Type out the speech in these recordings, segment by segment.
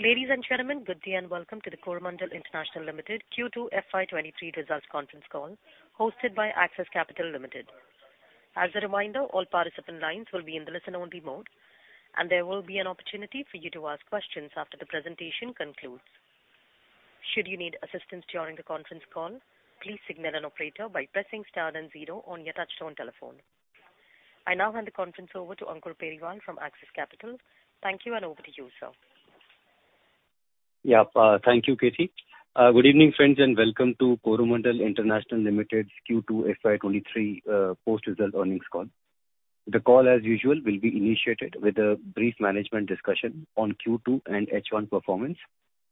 Ladies and gentlemen, good day and welcome to the Coromandel International Limited Q2 FY23 results conference call hosted by Axis Capital Limited. As a reminder, all participant lines will be in the listen-only mode, and there will be an opportunity for you to ask questions after the presentation concludes. Should you need assistance during the conference call, please signal an operator by pressing star then zero on your touchtone telephone. I now hand the conference over to Ankur Periwal from Axis Capital. Thank you, and over to you, sir. Yeah. Thank you, Kathy. Good evening, friends, and welcome to Coromandel International Limited's Q2 FY23 post-result earnings call. The call, as usual, will be initiated with a brief management discussion on Q2 and H1 performance,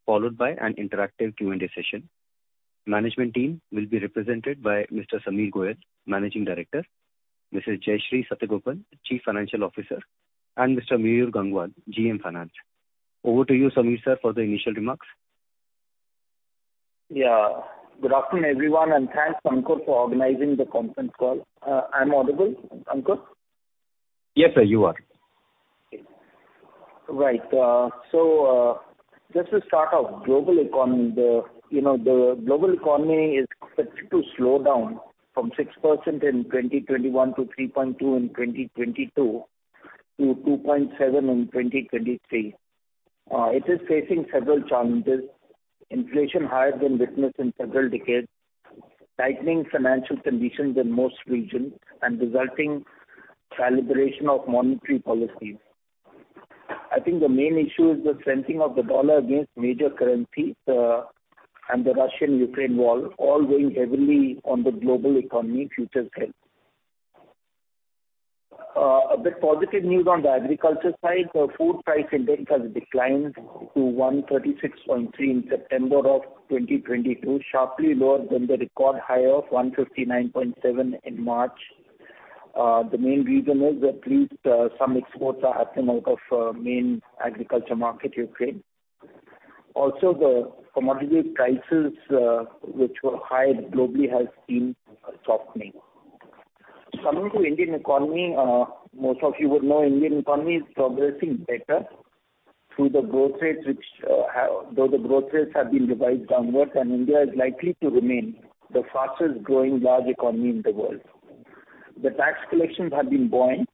followed by an interactive Q&A session. Management team will be represented by Mr. Sameer Goel, Managing Director, Mrs. Jayashree Satagopan, Chief Financial Officer, and Mr. Mayur Gangwal, GM Finance. Over to you, Sameer, sir, for the initial remarks. Yeah. Good afternoon, everyone, and thanks, Ankur, for organizing the conference call. I'm audible, Ankur? Yes, sir. You are. Just to start off, global economy, you know, the global economy is expected to slow down from 6% in 2021 to 3.2% in 2022 to 2% in 2023. It is facing several challenges. Inflation higher than witnessed in several decades, tightening financial conditions in most regions and resulting calibration of monetary policies. I think the main issue is the strengthening of the US dollar against major currencies, and the Russia-Ukraine war all weighing heavily on the global economy's future health. A bit positive news on the agriculture side. The Food Price Index has declined to 136.3 in September of 2022, sharply lower than the record high of 159.7 in March. The main reason is at least some exports are happening out of main agriculture market, Ukraine. Also, the commodity prices, which were high globally, have been softening. Coming to Indian economy, most of you would know Indian economy is progressing better through the growth rates, though the growth rates have been revised downwards and India is likely to remain the fastest growing large economy in the world. The tax collections have been buoyant,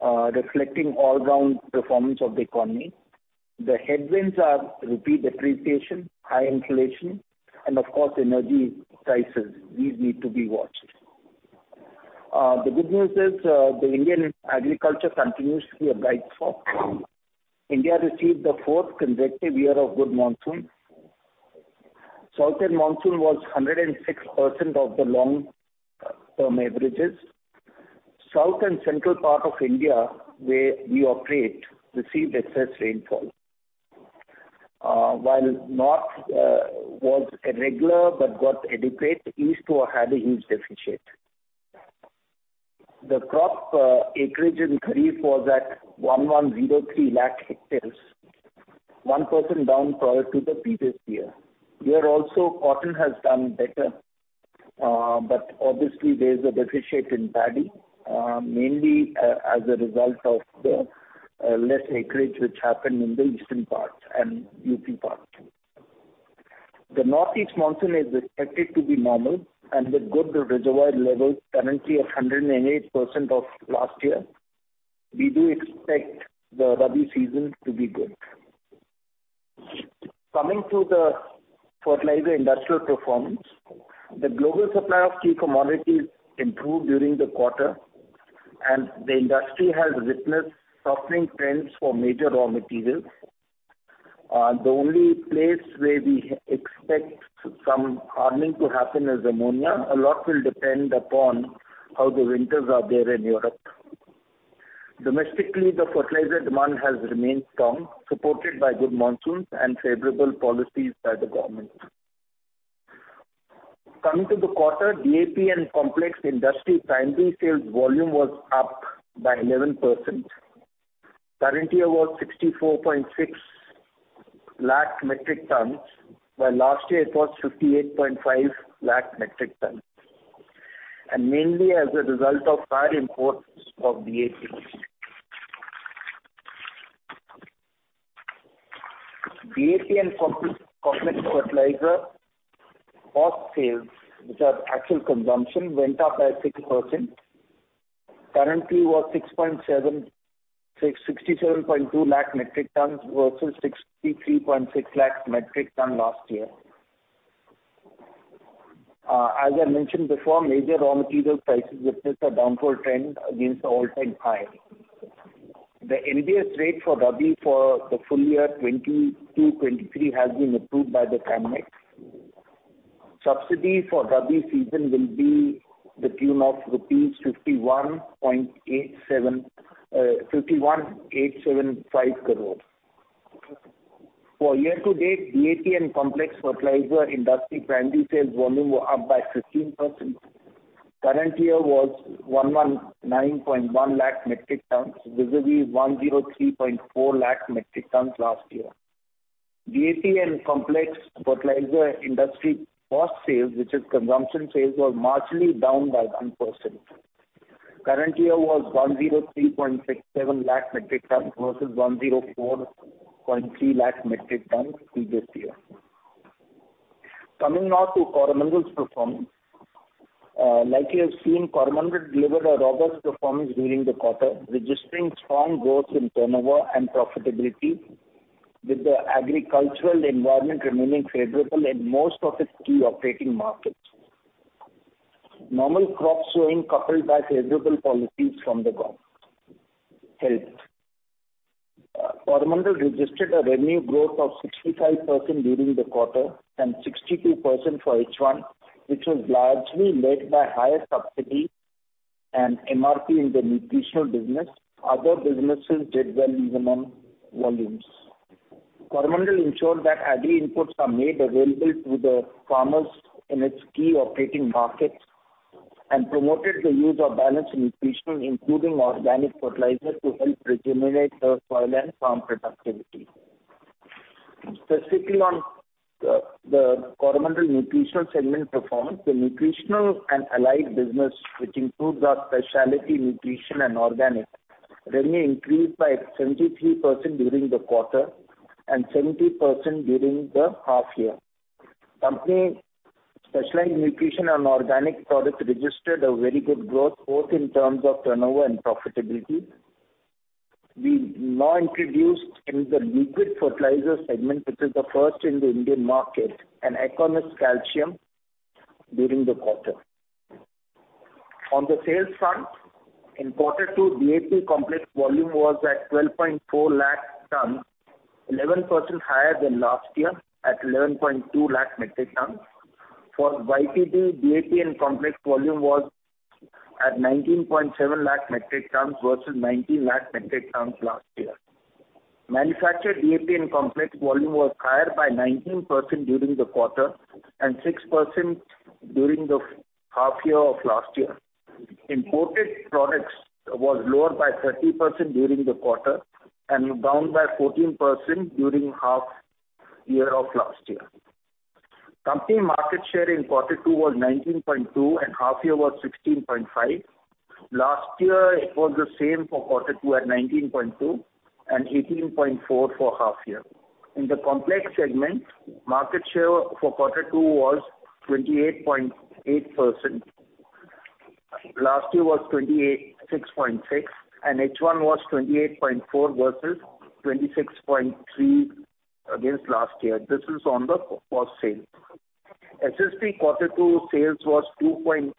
reflecting all round performance of the economy. The headwinds are rupee depreciation, high inflation and of course, energy prices. These need to be watched. The good news is, the Indian agriculture continues to be a bright spot. India received the fourth consecutive year of good monsoon. Southwest monsoon was 106% of the long-term averages. South and central part of India, where we operate, received excess rainfall. While north was irregular but got adequate, east had a huge deficit. The crop acreage in kharif was at 1,103 lakh hectares, 1% down prior to the previous year. Here also cotton has done better, but obviously there is a deficit in paddy, mainly as a result of the less acreage which happened in the eastern parts and UP part. The Northeast Monsoon is expected to be normal and with good reservoir levels currently at 108% of last year, we do expect the rabi season to be good. Coming to the fertilizer industry performance, the global supply of key commodities improved during the quarter, and the industry has witnessed softening trends for major raw materials. The only place where we expect some hardening to happen is ammonia. A lot will depend upon how the winters are there in Europe. Domestically, the fertilizer demand has remained strong, supported by good monsoons and favorable policies by the government. Coming to the quarter, DAP and complex industry primary sales volume was up by 11%. Current year was 64.6 lakh metric tons, while last year it was 58.5 lakh metric tons. Mainly as a result of higher imports of DAP. DAP and complex fertilizer offtake sales, which are actual consumption, went up by 6%. Current year was 67.2 lakh metric tons versus 63.6 lakh metric tons last year. As I mentioned before, major raw material prices witnessed a downward trend against the all-time high. The NBS rate for Rabi for the full year 2022-2023 has been approved by the cabinet. Subsidy for Rabi season will be to the tune of rupees 51.875 crore. For year to date, DAP and complex fertilizer industry primary sales volume were up by 15%. Current year was 119.1 lakh metric tons vis-a-vis 103.4 lakh metric tons last year. DAP and complex fertilizer industry off sales, which is consumption sales, was marginally down by 1%. Current year was 103.67 lakh metric tons versus 104.3 lakh metric tons previous year. Coming now to Coromandel's performance. Like you have seen, Coromandel delivered a robust performance during the quarter, registering strong growth in turnover and profitability, with the agricultural environment remaining favorable in most of its key operating markets. Normal crop sowing coupled with favorable policies from the government helped. Coromandel registered a revenue growth of 65% during the quarter and 62% for H1, which was largely led by higher subsidy and MRP in the nutritional business. Other businesses did well even on volumes. Coromandel ensured that agri inputs are made available to the farmers in its key operating markets and promoted the use of balanced nutrition, including organic fertilizer to help rejuvenate the soil and farm productivity. Specifically on the Coromandel nutritional segment performance, the nutritional and allied business, which includes our specialty nutrition and organic, revenue increased by 73% during the quarter and 70% during the half year. Company specialized nutrition and organic products registered a very good growth both in terms of turnover and profitability. We now introduced in the liquid fertilizer segment, which is the first in the Indian market, Econo-MiCal during the quarter. On the sales front, in quarter two, DAP complex volume was at 12.4 lakh tons, 11% higher than last year at 11.2 lakh metric tons. For YTD, DAP and complex volume was at 19.7 lakh metric tons versus 19 lakh metric tons last year. Manufactured DAP and complex volume was higher by 19% during the quarter and 6% during the half year of last year. Imported products was lower by 30% during the quarter and down by 14% during half year of last year. Company market share in quarter two was 19.2 and half year was 16.5. Last year it was the same for quarter two at 19.2 and 18.4 for half year. In the complex segment, market share for quarter two was 28.8%. Last year was 28.6, and H1 was 28.4 versus 26.3 against last year. This is on the phosphate. SSP quarter two sales was 2.43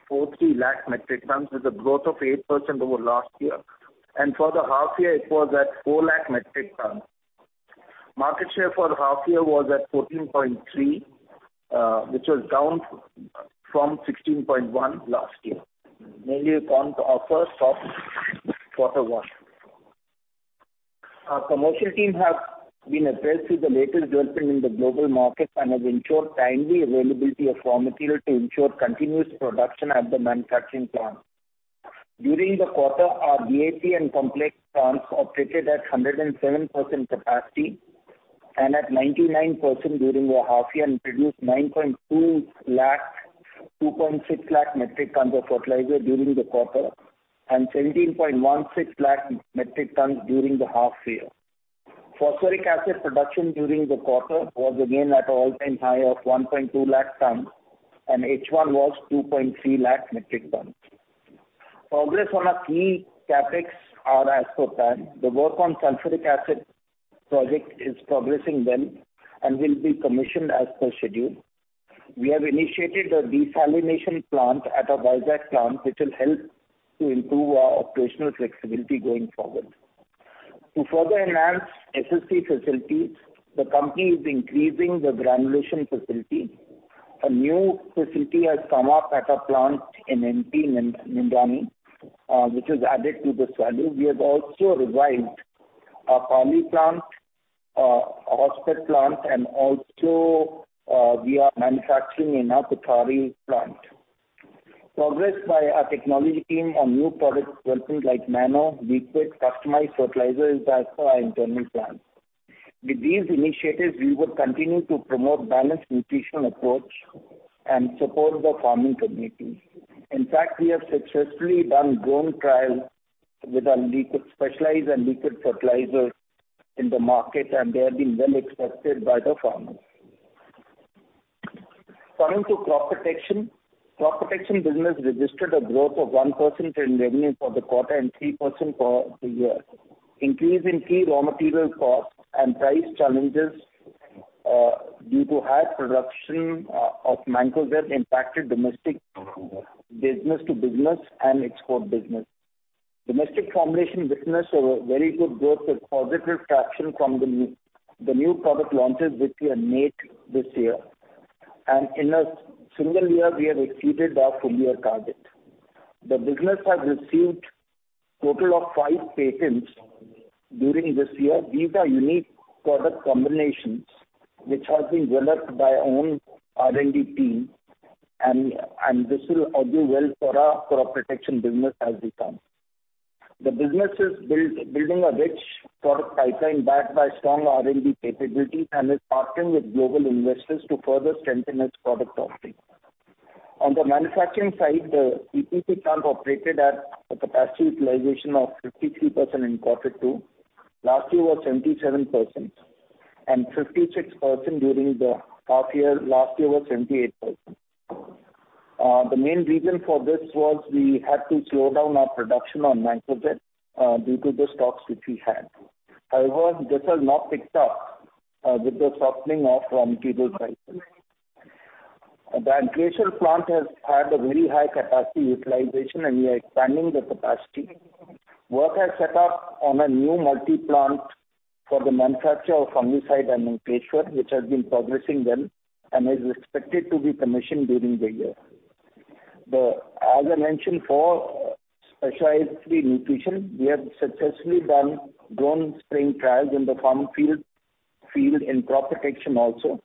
lakh metric tons with a growth of 8% over last year, and for the half year it was at 4 lakh metric tons. Market share for half year was at 14.3%, which was down from 16.1% last year. Mainly due to our first quarter one. Our commercial team have been abreast with the latest development in the global market and have ensured timely availability of raw material to ensure continuous production at the manufacturing plant. During the quarter, our DAP and complex plants operated at 107% capacity and at 99% during the half year and produced 9.2 lakh, 2.6 lakh metric tons of fertilizer during the quarter and 17.16 lakh metric ton during the half year. Phosphoric acid production during the quarter was again at all-time high of 1.2 lakh ton, and H1 was 2.3 lakh metric ton. Progress on our key CapEx are as per plan. The work on sulfuric acid project is progressing well and will be commissioned as per schedule. We have initiated a desalination plant at our Vizag plant, which will help to improve our operational flexibility going forward. To further enhance SSP facilities, the company is increasing the granulation facility. A new facility has come up at a plant in MP, Nimrani, which has added to this value. We have also revived our Pali plant, Hospet plant, and also, we are manufacturing in our Kothari plant. Progress by our technology team on new product development like nano, liquid, customized fertilizer is as per our internal plan. With these initiatives, we will continue to promote balanced nutritional approach and support the farming community. In fact, we have successfully done drone trial with our liquid specialized and liquid fertilizers in the market, and they have been well accepted by the farmers. Coming to crop protection. Crop protection business registered a growth of 1% in revenue for the quarter and 3% for the year. Increase in key raw material costs and price challenges due to high production of Mancozeb impacted domestic business to business and export business. Domestic formulation business saw a very good growth with positive traction from the new product launches which we have made this year. In a single year we have exceeded our full year target. The business has received total of five patents during this year. These are unique product combinations which have been developed by our own R&D team, and this will do well for our crop protection business as we come. The business is building a rich product pipeline backed by strong R&D capabilities, and is partnering with global investors to further strengthen its product offering. On the manufacturing side, the CPC plant operated at a capacity utilization of 53% in quarter two. Last year was 77%, and 56% during the half year. Last year was 78%. The main reason for this was we had to slow down our production on microjet due to the stocks which we had. However, this has now picked up with the softening of raw material prices. The Ankleshwar plant has had a very high capacity utilization, and we are expanding the capacity. Work has set up on a new multi-plant for the manufacture of fungicide at Ankleshwar, which has been progressing well, and is expected to be commissioned during the year. As I mentioned before, specialized crop nutrition, we have successfully done drone spraying trials in the farm field and crop protection also.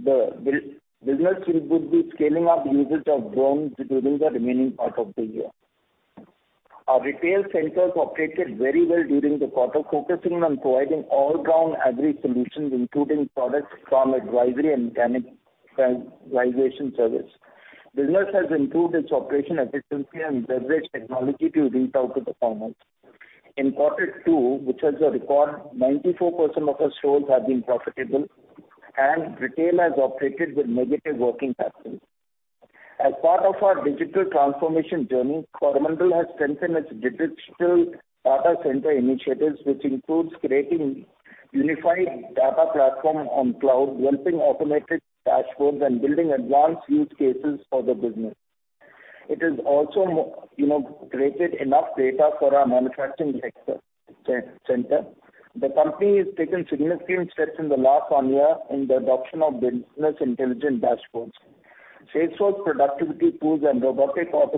The business will be scaling up usage of drones during the remaining part of the year. Our retail centers operated very well during the quarter, focusing on providing all-round agri solutions, including products, farm advisory, and mechanization service. business has improved its operation efficiency and leveraged technology to reach out to the farmers. In quarter two, which has a record 94% of our stores have been profitable, and retail has operated with negative working capital. As part of our digital transformation journey, Coromandel has strengthened its digital data center initiatives, which includes creating unified data platform on cloud, building automated dashboards, and building advanced use cases for the business. It has also you know, created enough data for our manufacturing sector center. The company has taken significant steps in the last one year in the adoption of business intelligence dashboards. Salesforce productivity tools and robotic process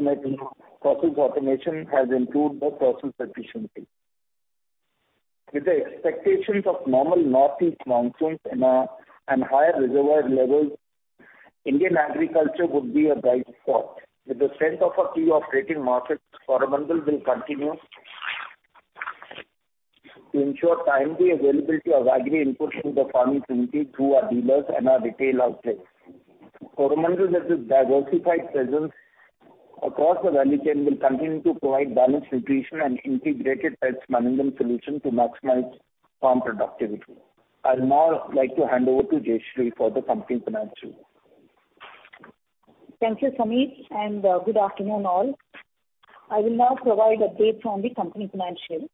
automation you know, has improved the process efficiency. With the expectations of normal Northeast monsoons and higher reservoir levels, Indian agriculture could be a bright spot. With the strength of our key operating markets, Coromandel will continue to ensure timely availability of agri inputs to the farming community through our dealers and our retail outlets. Coromandel has a diversified presence across the value chain. It will continue to provide balanced nutrition and integrated pest management solutions to maximize farm productivity. I would now like to hand over to Jayashree for the company's financials. Thank you, Sameer, and good afternoon, all. I will now provide updates on the company financials.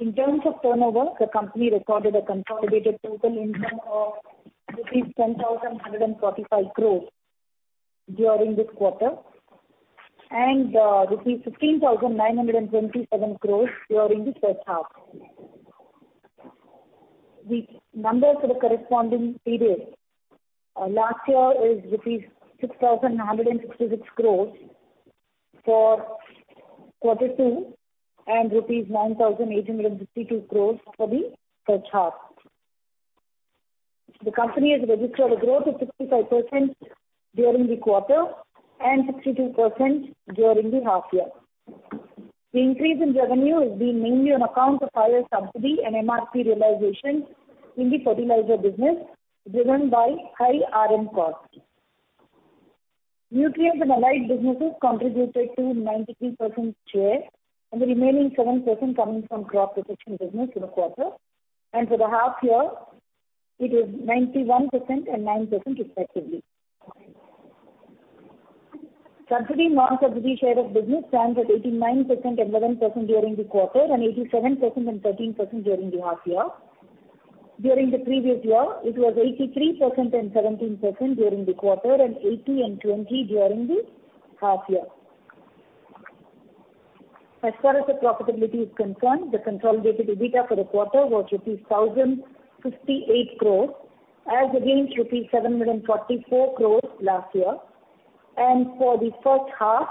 In terms of turnover, the company recorded a consolidated total income of rupees 10,145 crore during this quarter, and rupees 15,927 crore during the first half. The numbers for the corresponding period last year is rupees 6,166 crore for quarter two, and rupees 9,852 crore for the first half. The company has registered a growth of 55% during the quarter, and 62% during the half year. The increase in revenue has been mainly on account of higher subsidy and MRP realization in the fertilizer business, driven by high RM costs. Nutrients and allied businesses contributed to 93% share, and the remaining 7% coming from crop protection business in the quarter. For the half year, it is 91% and 9% respectively. Subsidy, non-subsidy share of business stands at 89% and 11% during the quarter, and 87% and 13% during the half year. During the previous year, it was 83% and 17% during the quarter, and 80% and 20% during the half year. As far as the profitability is concerned, the consolidated EBITDA for the quarter was rupees 1,068 crore, as against rupees 744 crore last year. For the first half,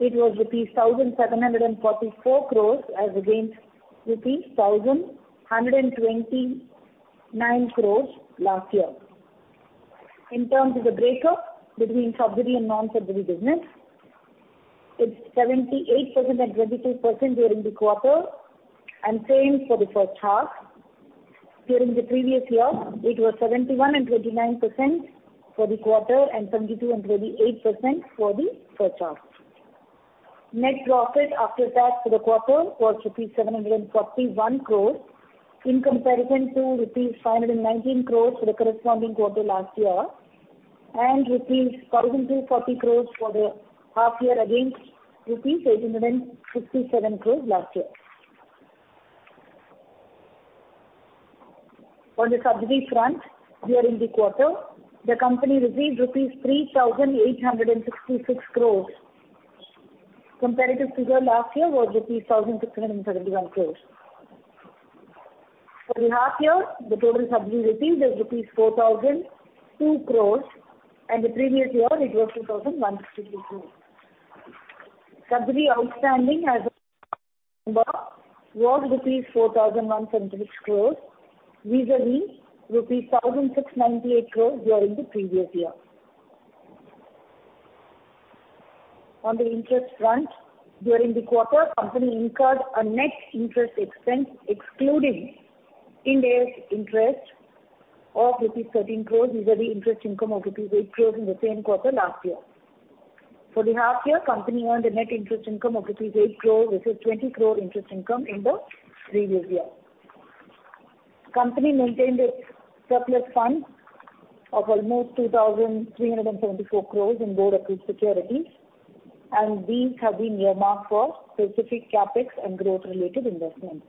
it was 1,744 crore as against 1,129 crore last year. In terms of the breakup between subsidy and non-subsidy business, it's 78% and 22% during the quarter, and same for the first half. During the previous year, it was 71% and 29% for the quarter, and 72% and 28% for the first half. Net profit after tax for the quarter was rupees 741 crore, in comparison to rupees 519 crore for the corresponding quarter last year, and rupees 1,240 crore for the half year against rupees 867 crore last year. On the subsidy front, during the quarter, the company received INR 3,866 crore, comparative to the last year was INR 1,671 crore. For the half year, the total subsidy received was INR 4,002 crore, and the previous year it was INR 2,162 crore. Subsidy outstanding was INR 4,166 crore, vis-a-vis INR 1,698 crore during the previous year. On the interest front, during the quarter, company incurred a net interest expense excluding indenture interest of rupees 13 crore, vis-a-vis interest income of rupees 8 crore in the same quarter last year. For the half year, company earned a net interest income of rupees 8 crore versus 20 crore interest income in the previous year. Company maintained its surplus funds of almost 2,374 crore in bonds and equity securities, and these have been earmarked for specific CapEx and growth-related investments.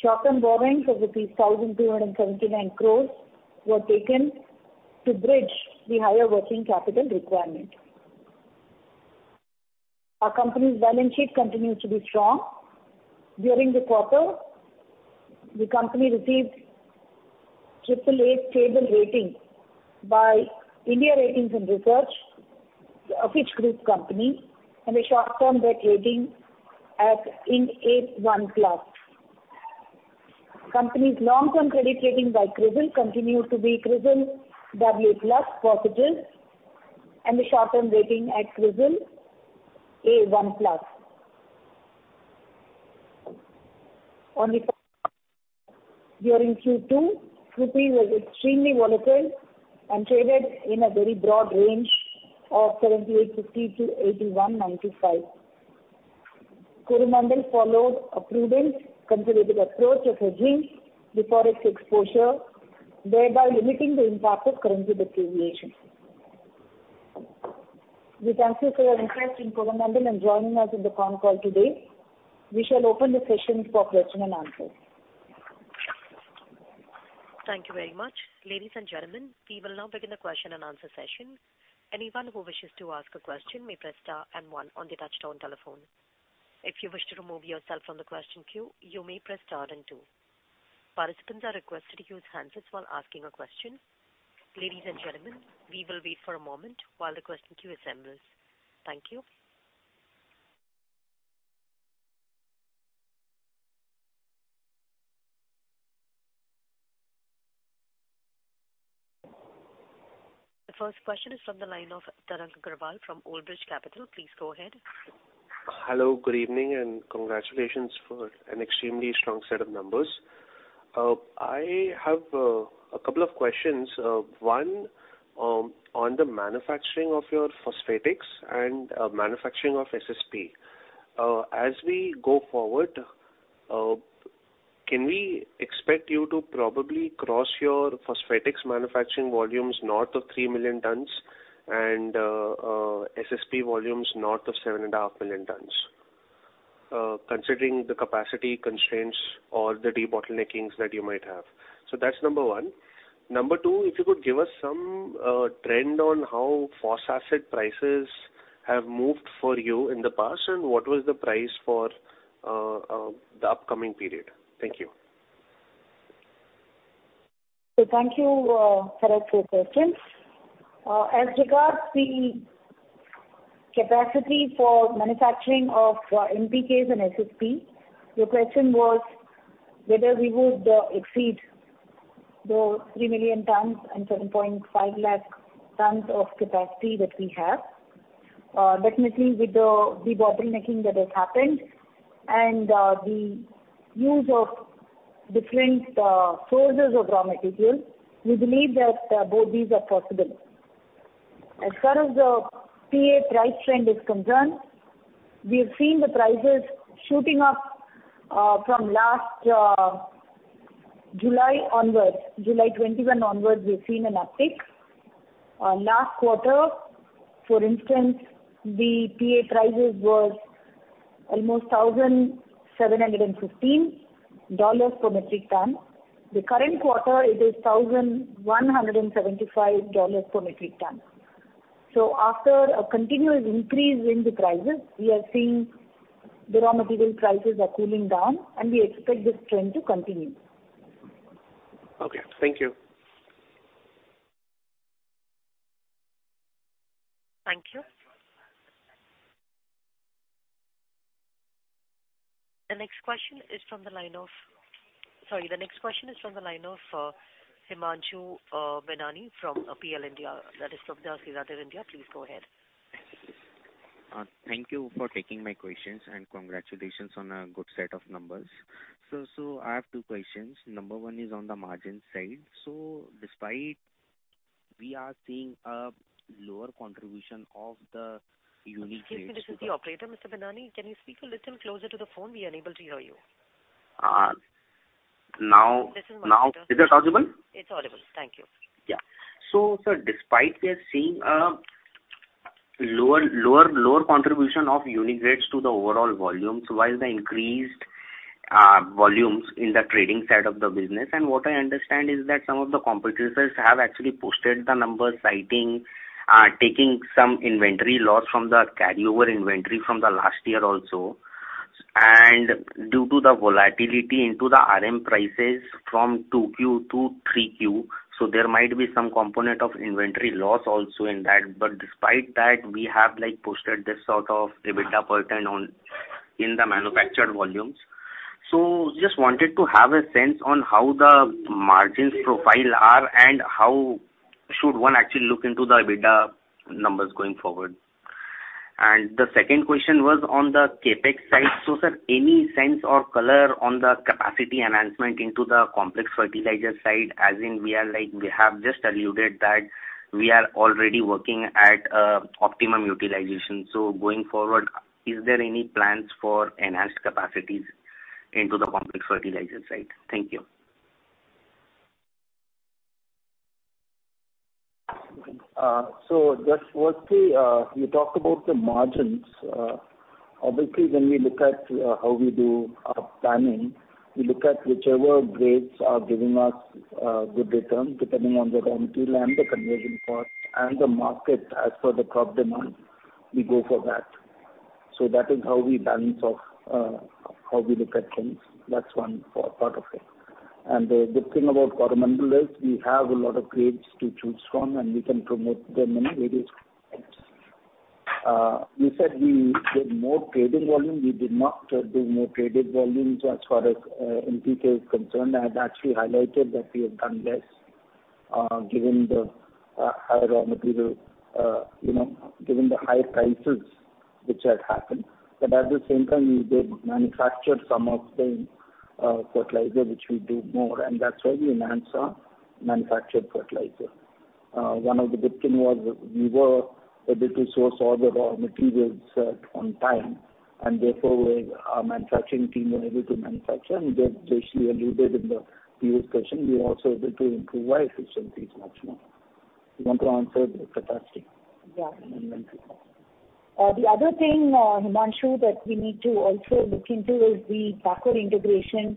Short-term borrowings of rupees 1,279 crore were taken to bridge the higher working capital requirement. Our company's balance sheet continues to be strong. During the quarter, the company received AAA/Stable rating by India Ratings and Research, a Fitch Group company, and a short-term debt rating at IND A1+. Company's long-term credit rating by CRISIL continues to be CRISIL AA+ Positive, and the short-term rating at CRISIL A1+. On the forex during Q2, rupee was extremely volatile and traded in a very broad range of 78.50-81.95. Coromandel followed a prudent conservative approach of hedging the forex exposure, thereby limiting the impact of currency depreciation. We thank you for your interest in Coromandel and joining us in the conf call today. We shall open the session for question and answer. Thank you very much. Ladies and gentlemen, we will now begin the question and answer session. Anyone who wishes to ask a question may press star and one on the touchtone telephone. If you wish to remove yourself from the question queue, you may press star and two. Participants are requested to use handsets while asking a question. Ladies and gentlemen, we will wait for a moment while the question queue assembles. Thank you. The first question is from the line of Tarang Agrawal from Old Bridge Capital. Please go ahead. Hello, good evening, and congratulations for an extremely strong set of numbers. I have a couple of questions. One, on the manufacturing of your phosphatics and manufacturing of SSP. As we go forward, can we expect you to probably cross your phosphatics manufacturing volumes north of 3 million tons and SSP volumes north of 7.5 million tons? Considering the capacity constraints or the debottleneckings that you might have. That's number one. Number two, if you could give us some trend on how phosphoric acid prices have moved for you in the past, and what was the price for the upcoming period? Thank you. Thank you, Tarang, for your questions. As regards the capacity for manufacturing of NPKs and SSP, your question was whether we would exceed the 3 million tons and 7.5 lakh tons of capacity that we have. Definitely with the debottlenecking that has happened and the use of different sources of raw materials, we believe that both these are possible. As far as the PA price trend is concerned, we have seen the prices shooting up from last July onwards. July 2021 onwards, we've seen an uptick. Last quarter, for instance, the PA prices was almost $1,715 per metric ton. The current quarter it is $1,175 per metric ton. After a continuous increase in the prices, we are seeing the raw material prices are cooling down, and we expect this trend to continue. Okay. Thank you. Thank you. The next question is from the line of Himanshu Binani from Prabhudas Lilladher. Please go ahead. Thank you for taking my questions, and congratulations on a good set of numbers. I have two questions. Number one is on the margin side. Despite we are seeing a lower contribution of the unit rates- Excuse me. This is the operator, Mr. Binani. Can you speak a little closer to the phone? We are unable to hear you. Uh, now- This is much better. Now is it audible? It's audible. Thank you. Yeah. Sir, despite we are seeing a lower contribution of unit rates to the overall volumes, while the increased volumes in the trading side of the business, and what I understand is that some of the competitors have actually posted the numbers citing taking some inventory loss from the carryover inventory from the last year also. Due to the volatility into the RM prices from 2Q to 3Q. There might be some component of inventory loss also in that. But despite that, we have like posted this sort of EBITDA per ton on, in the manufactured volumes. Just wanted to have a sense on how the margins profile are and how should one actually look into the EBITDA numbers going forward. The second question was on the CapEx side. Sir, any sense or color on the capacity enhancement into the complex fertilizer side as in we are like we have just alluded that we are already working at, optimum utilization. Going forward, is there any plans for enhanced capacities into the complex fertilizer side? Thank you. Just firstly, you talked about the margins. Obviously, when we look at how we do our planning, we look at whichever grades are giving us good return depending on the raw material and the conversion part and the market. As per the crop demand, we go for that. That is how we balance off how we look at things. That's one for part of it. The good thing about Coromandel is we have a lot of grades to choose from, and we can promote them in various ways. You said we did more trading volume. We did not do more traded volumes as far as NPK is concerned. I had actually highlighted that we have done less given the higher raw material you know given the higher prices which had happened. At the same time, we did manufacture some of the fertilizer which we do more, and that's why we enhanced our manufactured fertilizer. One of the good things was we were able to source all the raw materials on time, and therefore our manufacturing team were able to manufacture. As JC alluded in the previous question, we were also able to improve our efficiencies much more. You want to answer the capacity? The other thing, Himanshu, that we need to also look into is the backward integration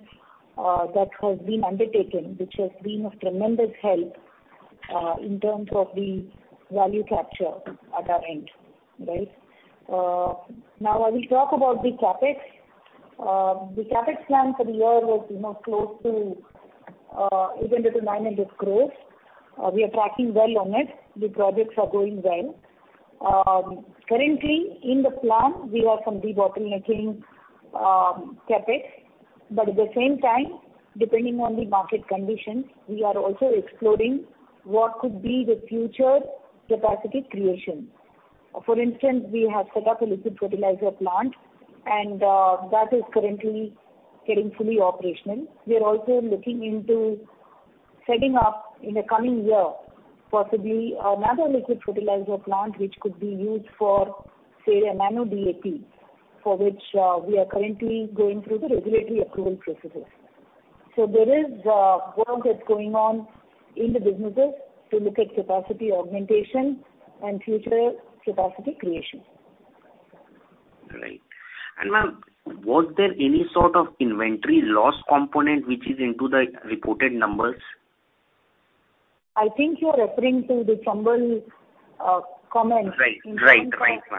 that has been undertaken, which has been of tremendous help in terms of the value capture at our end, right? Now I will talk about the CapEx. The CapEx plan for the year was, you know, close to 809 million gross. We are tracking well on it. The projects are going well. Currently in the plan we have some debottlenecking CapEx. But at the same time, depending on the market conditions, we are also exploring what could be the future capacity creation. For instance, we have set up a liquid fertilizer plant, and that is currently getting fully operational. We are also looking into setting up in the coming year, possibly another liquid fertilizer plant which could be used for, say, a Nano DAP, for which, we are currently going through the regulatory approval processes. There is work that's going on in the businesses to look at capacity augmentation and future capacity creation. Right. Ma'am, was there any sort of inventory loss component which is into the reported numbers? I think you are referring to the Chambal comment in terms of. Right, ma'am.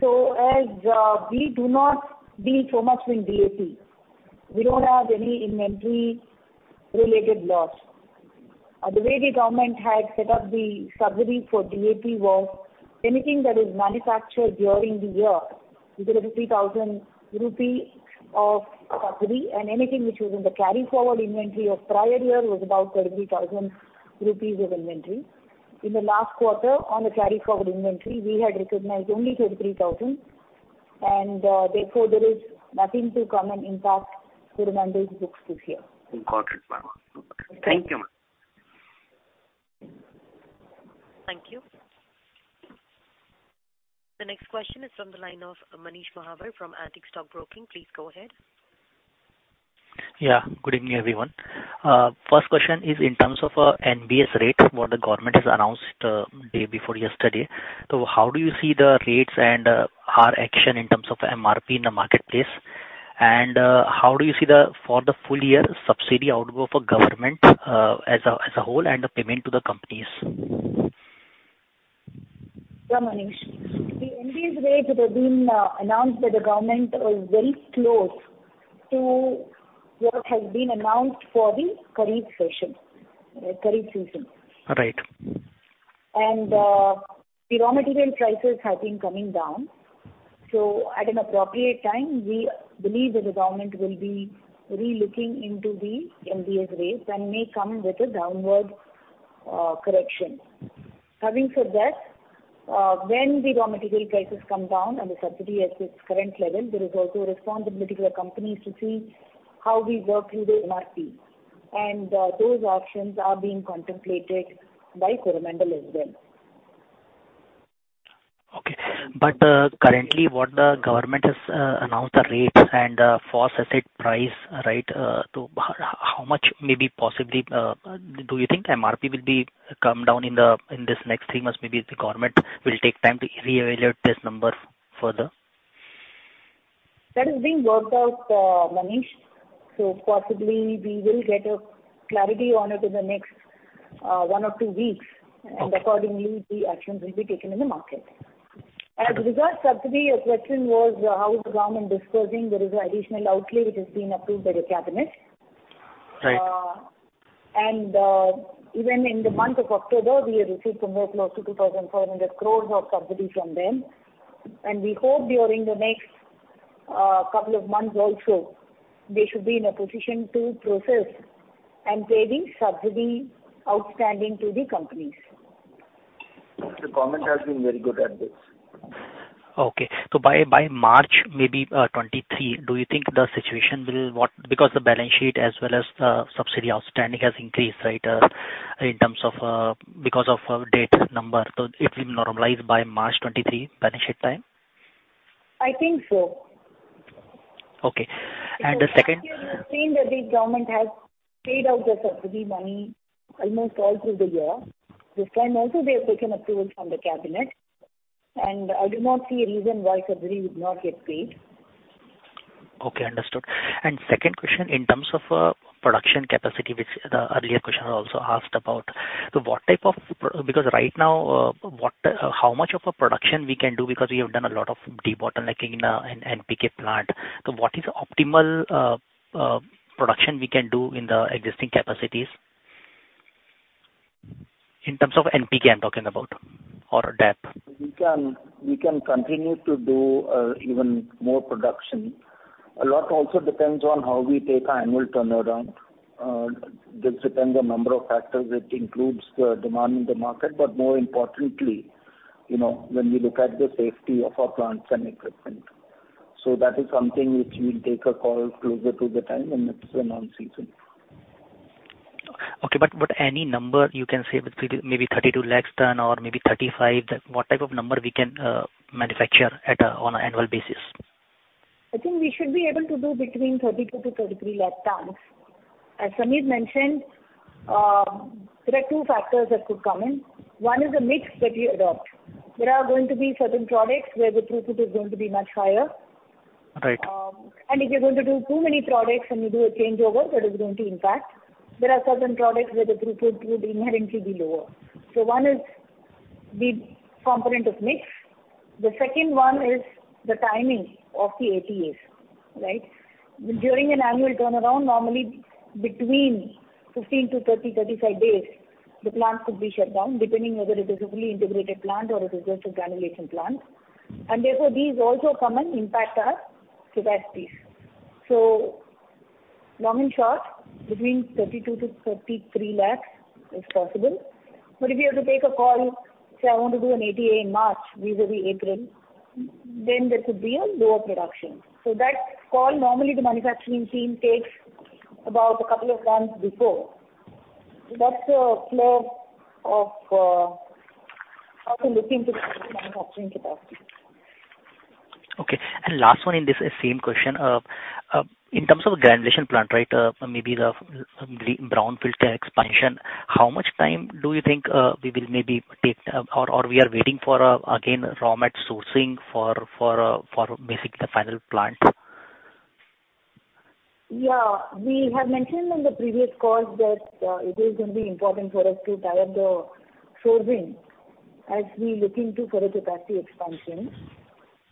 As we do not deal so much in DAP, we don't have any inventory related loss. The way the government had set up the subsidy for DAP was anything that is manufactured during the year is at a 50,000 rupee of subsidy, and anything which was in the carry forward inventory of prior year was about 33,000 rupees of inventory. In the last quarter on the carry forward inventory, we had recognized only 33,000 and therefore there is nothing to come and impact Coromandel's books this year. Got it, ma'am. Got it. Thank you, ma'am. Thank you. The next question is from the line of Manish Mahawar from Antique Stock Broking. Please go ahead. Yeah. Good evening, everyone. First question is in terms of NBS rate, what the government has announced day before yesterday. How do you see the rates and our action in terms of MRP in the marketplace? And how do you see the full year subsidy outgo for government as a whole and the payment to the companies? Yeah, Manish. The NBS rates that have been announced by the government is very close to what has been announced for the Kharif season. Right. The raw material prices have been coming down. At an appropriate time, we believe that the government will be re-looking into the NBS rates and may come with a downward correction. Having said that, when the raw material prices come down and the subsidy at its current level, there is also a responsibility for companies to see how we work through the MRP. Those options are being contemplated by Coromandel as well. Currently, what the government has announced the rates and phosphatic price, right? So, how much maybe possibly do you think MRP will come down in this next three months? Maybe the government will take time to reevaluate this number further. That is being worked out, Manish. Possibly we will get a clarity on it in the next one or two weeks, and accordingly the actions will be taken in the market. As regards subsidy, your question was how is the government disclosing there is additional outlay which has been approved by the cabinet. Right. Even in the month of October, we have received from them close to 2,400 crores of subsidy from them. We hope during the next couple of months also, they should be in a position to process and pay the subsidy outstanding to the companies. The government has been very good at this. By March maybe 2023, do you think the situation will because the balance sheet as well as the subsidy outstanding has increased, right? In terms of because of date number. It will normalize by March 2023 balance sheet time? I think so. Okay. The second Last year you have seen that the government has paid out the subsidy money almost all through the year. This time also they have taken approval from the cabinet, and I do not see a reason why subsidy would not get paid. Okay, understood. Second question, in terms of production capacity, which the earlier question also asked about. What type of because right now, how much of a production we can do because we have done a lot of debottlenecking in NPK plant. What is optimal production we can do in the existing capacities? In terms of NPK, I'm talking about or DAP. We can continue to do even more production. A lot also depends on how we take our annual turnaround. This depends on number of factors which includes the demand in the market, but more importantly, you know, when we look at the safety of our plants and equipment. That is something which we'll take a call closer to the time when it's a off-season. Okay, any number you can say with maybe 32 lakh tons or maybe 35, what type of number we can manufacture on an annual basis? I think we should be able to do between 32-33 lakh tons. As Sameer mentioned, there are two factors that could come in. One is the mix that we adopt. There are going to be certain products where the throughput is going to be much higher. Right. If you're going to do too many products and you do a changeover, that is going to impact. There are certain products where the throughput would inherently be lower. One is the component of mix. The second one is the timing of the ATAs, right? During an annual turnaround, normally between 15-35 days, the plant could be shut down, depending whether it is a fully integrated plant or it is just a granulation plant. Therefore, these also come and impact our capacities. Long and short, between 32-33 lakhs is possible. If you have to take a call, say I want to do an ATA in March vis-a-vis April, then there could be a lower production. That call normally the manufacturing team takes about a couple of months before. That's the flow of how to look into the manufacturing capacity. Okay. Last one in this same question. In terms of granulation plant, right? Maybe the brownfield expansion. How much time do you think we will maybe take or we are waiting for again, raw mat sourcing for basically the final plant? We have mentioned on the previous calls that it is going to be important for us to tie up the sourcing as we look into further capacity expansion.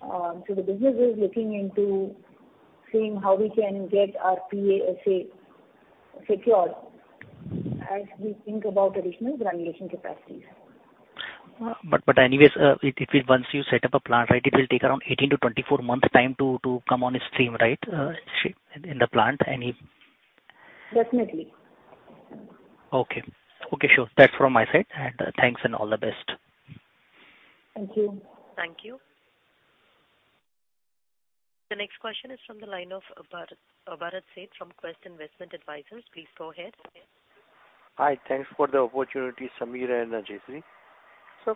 The business is looking into seeing how we can get our PASA secured as we think about additional granulation capacities. If once you set up a plant, right, it will take around 18-24 months time to come on stream, right? Definitely. Okay, sure. That's from my side. Thanks and all the best. Thank you. Thank you. The next question is from the line of Bharat Sheth from Quest Investment Advisors. Please go ahead. Hi. Thanks for the opportunity, Sameer and Jayashree.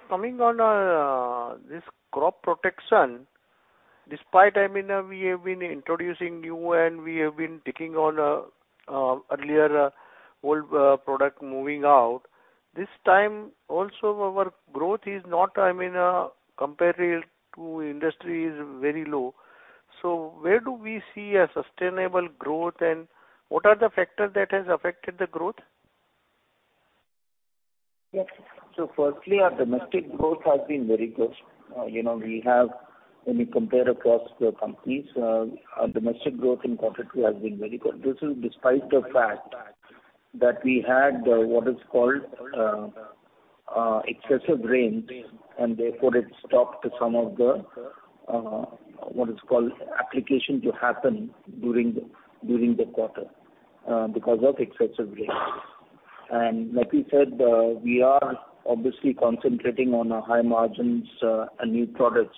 Coming onto this crop protection, despite, I mean, we have been introducing new and we have been taking out earlier old product moving out. This time also our growth is not, I mean, compared to industry is very low. Where do we see a sustainable growth and what are the factors that has affected the growth? Yes. Firstly, our domestic growth has been very good. You know, we have, when you compare across the companies, our domestic growth in quarter two has been very good. This is despite the fact that we had what is called excessive rains, and therefore it stopped some of the what is called application to happen during the quarter because of excessive rains. Like we said, we are obviously concentrating on our high margins and new products.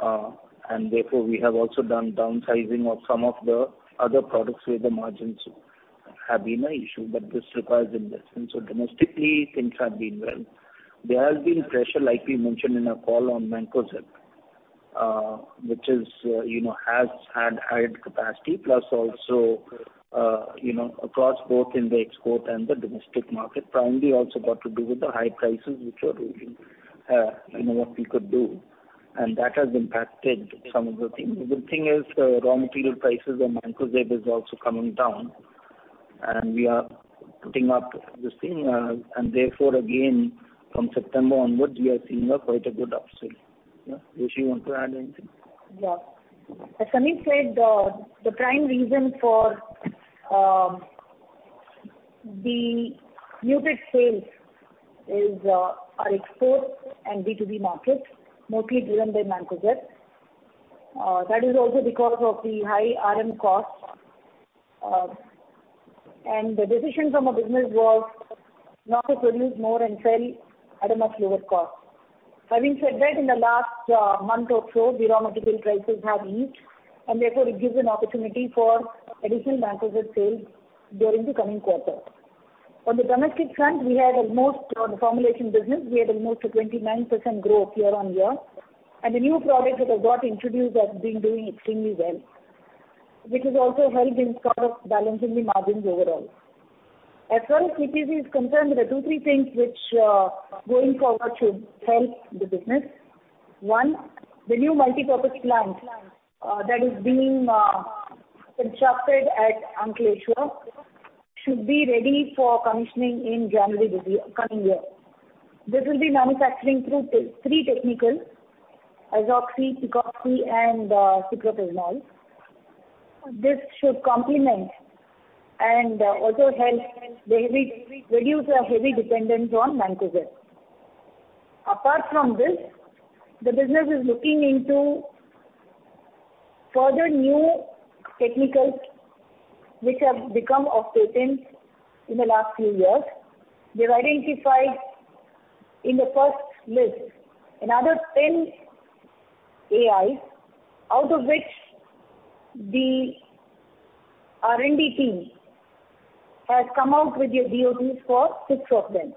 Therefore we have also done downsizing of some of the other products where the margins have been an issue, but this requires investment. Domestically, things have been well. There has been pressure, like we mentioned in our call, on Mancozeb, which is, you know, has had higher capacity, plus also, you know, across both in the export and the domestic market. Primarily also got to do with the high prices which were, you know, what we could do. That has impacted some of the things. The good thing is, raw material prices and Mancozeb is also coming down, and we are putting up this thing. Therefore again, from September onwards, we are seeing quite a good upsell. Yeah. Rishi, you want to add anything? Yeah. As Sunny said, the prime reason for the muted sales is our export and B2B markets, mostly driven by Mancozeb. That is also because of the high RM costs. The decision from a business was not to produce more and sell at a much lower cost. Having said that, in the last month or so, the raw material prices have eased, and therefore it gives an opportunity for additional Mancozeb sales during the coming quarter. On the domestic front, we had almost, on the formulation business, we had almost a 29% growth year-on-year. The new product that has got introduced has been doing extremely well, which has also helped in sort of balancing the margins overall. As far as CPC is concerned, there are two, three things which going forward should help the business. One, the new multipurpose plant that is being constructed at Ankleshwar should be ready for commissioning in January this coming year. This will be manufacturing three technicals, Azoxystrobin, Picoxystrobin and Cyproconazole. This should complement and also help reduce our heavy dependence on Mancozeb. Apart from this, the business is looking into further new technicals which have become off patent in the last few years. We have identified in the first list another 10 AIs, out of which the R&D team has come out with their dossiers for six of them.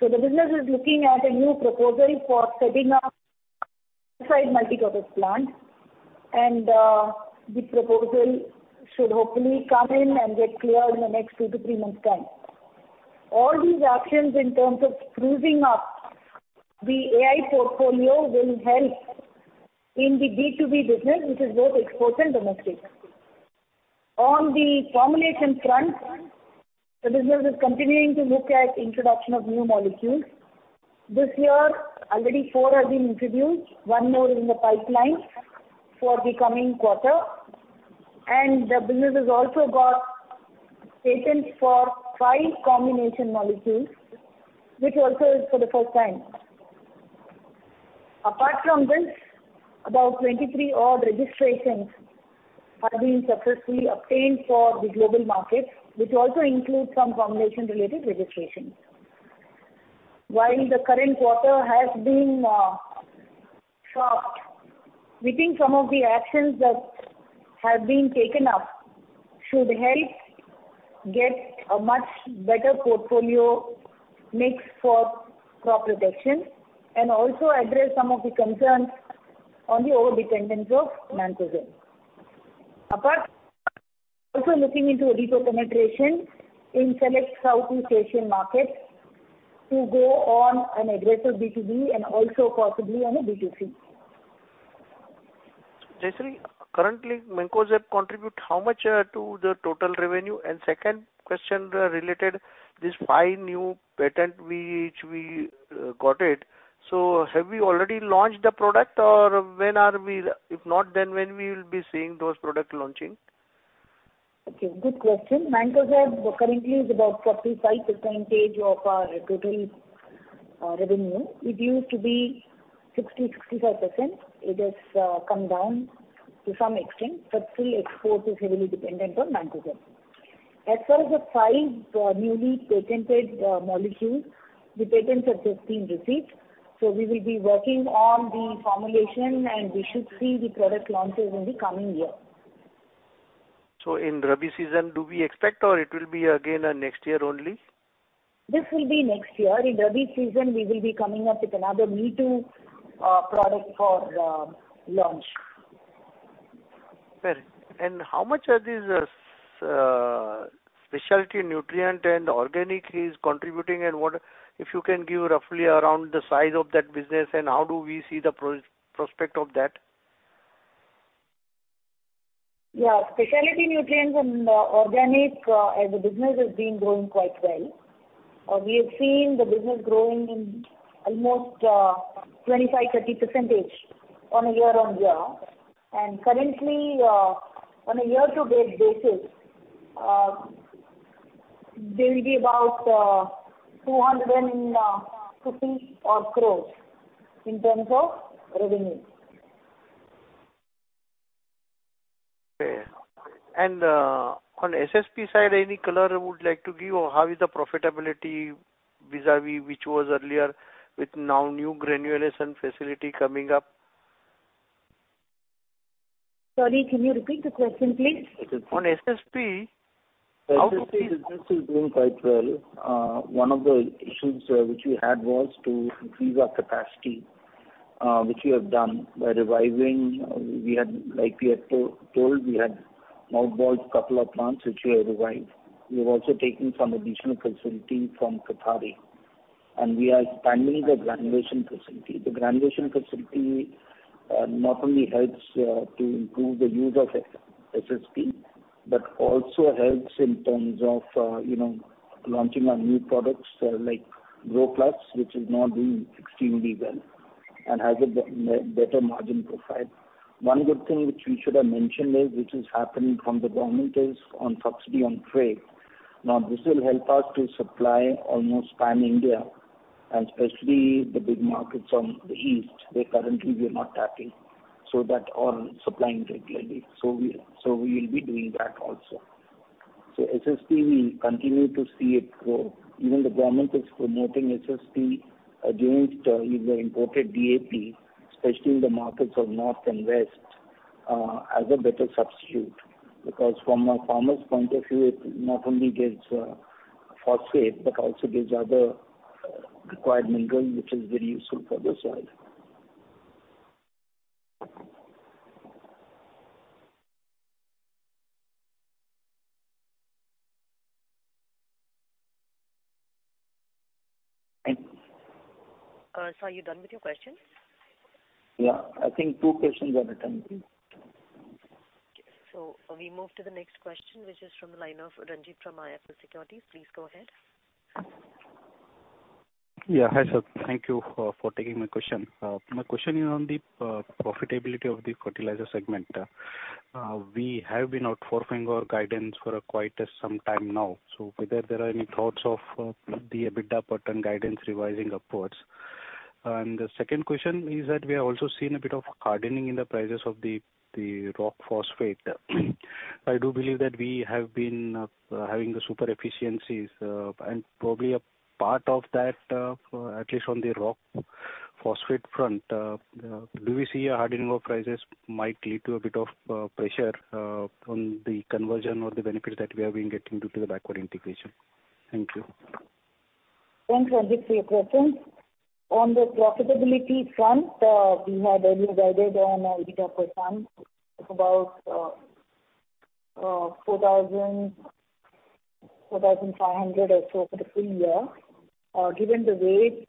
The business is looking at a new proposal for setting up another multipurpose plant, and the proposal should hopefully come in and get cleared in the next two to three months' time. All these actions in terms of sprucing up the AIs portfolio will help in the B2B business, which is both export and domestic. On the formulation front, the business is continuing to look at introduction of new molecules. This year, already four have been introduced, one more is in the pipeline for the coming quarter. The business has also got patents for five combination molecules, which also is for the first time. Apart from this, about 23 odd registrations have been successfully obtained for the global market, which also includes some formulation-related registrations. While the current quarter has been soft, we think some of the actions that have been taken up should help get a much better portfolio mix for crop protection and also address some of the concerns on the overdependence of Mancozeb. Apart, also looking into a deeper penetration in select Southeast Asian markets to go on an aggressive B2B and also possibly on a B2C. Jayashree, currently, Mancozeb contribute how much to the total revenue? Second question related this five new patent which we got it. Have you already launched the product or if not, then when we will be seeing those product launching? Okay, good question. Mancozeb currently is about 35% of our total revenue. It used to be 60-65%. It has come down to some extent, but still export is heavily dependent on Mancozeb. As far as the five newly patented molecules, the patents have just been received, so we will be working on the formulation, and we should see the product launches in the coming year. In Rabi season, do we expect or it will be again, next year only? This will be next year. In Rabi season, we will be coming up with another me-too product for launch. Fair. How much are these specialty nutrient and organic is contributing and what if you can give roughly around the size of that business and how do we see the prospect of that? Yeah. Specialty nutrients and organic as a business has been growing quite well. We have seen the business growing in almost 25-30% on a year-on-year. Currently, on a year-to-date basis, they will be about 250 odd crore in terms of revenue. Okay. On SSP side, any color you would like to give? Or how is the profitability vis-à-vis which was earlier with now new granulation facility coming up? Sorry, can you repeat the question please? On SSP. SSP business is doing quite well. One of the issues, which we had, was to increase our capacity, which we have done by reviving, like we had told. We bought a couple of plants which we have revived. We have also taken some additional facility from QAFCO, and we are expanding the granulation facility. The granulation facility not only helps to improve the use of SSP, but also helps in terms of you know, launching our new products like Groplus, which is now doing extremely well and has a better margin profile. One good thing which we should have mentioned is which is happening from the government on subsidy on freight. This will help us to supply almost pan India and especially the big markets on the east where currently we are not tapping, so that we supplying regularly. So we will be doing that also. SSP, we continue to see it grow. Even the government is promoting SSP against either imported DAP, especially in the markets of North and West, as a better substitute. Because from a farmer's point of view, it not only gives phosphate but also gives other required mineral which is very useful for the soil. Thank you. Sir, are you done with your questions? Yeah. I think two questions are returned, please. We move to the next question, which is from the line of Ranjit from IIFL Securities. Please go ahead. Hi, sir. Thank you for taking my question. My question is on the profitability of the fertilizer segment. We have been outperforming our guidance for quite some time now. Whether there are any thoughts of the EBITDA margin guidance revising upwards? The second question is that we have also seen a bit of hardening in the prices of the rock phosphate. I do believe that we have been having the super efficiencies, and probably a part of that, at least on the rock phosphate front. Do we see a hardening of prices might lead to a bit of pressure on the conversion or the benefits that we have been getting due to the backward integration? Thank you. Thanks, Ranjit, for your question. On the profitability front, we had already guided on EBITDA percent of about 4,000-4,500 or so for the full year. Given the way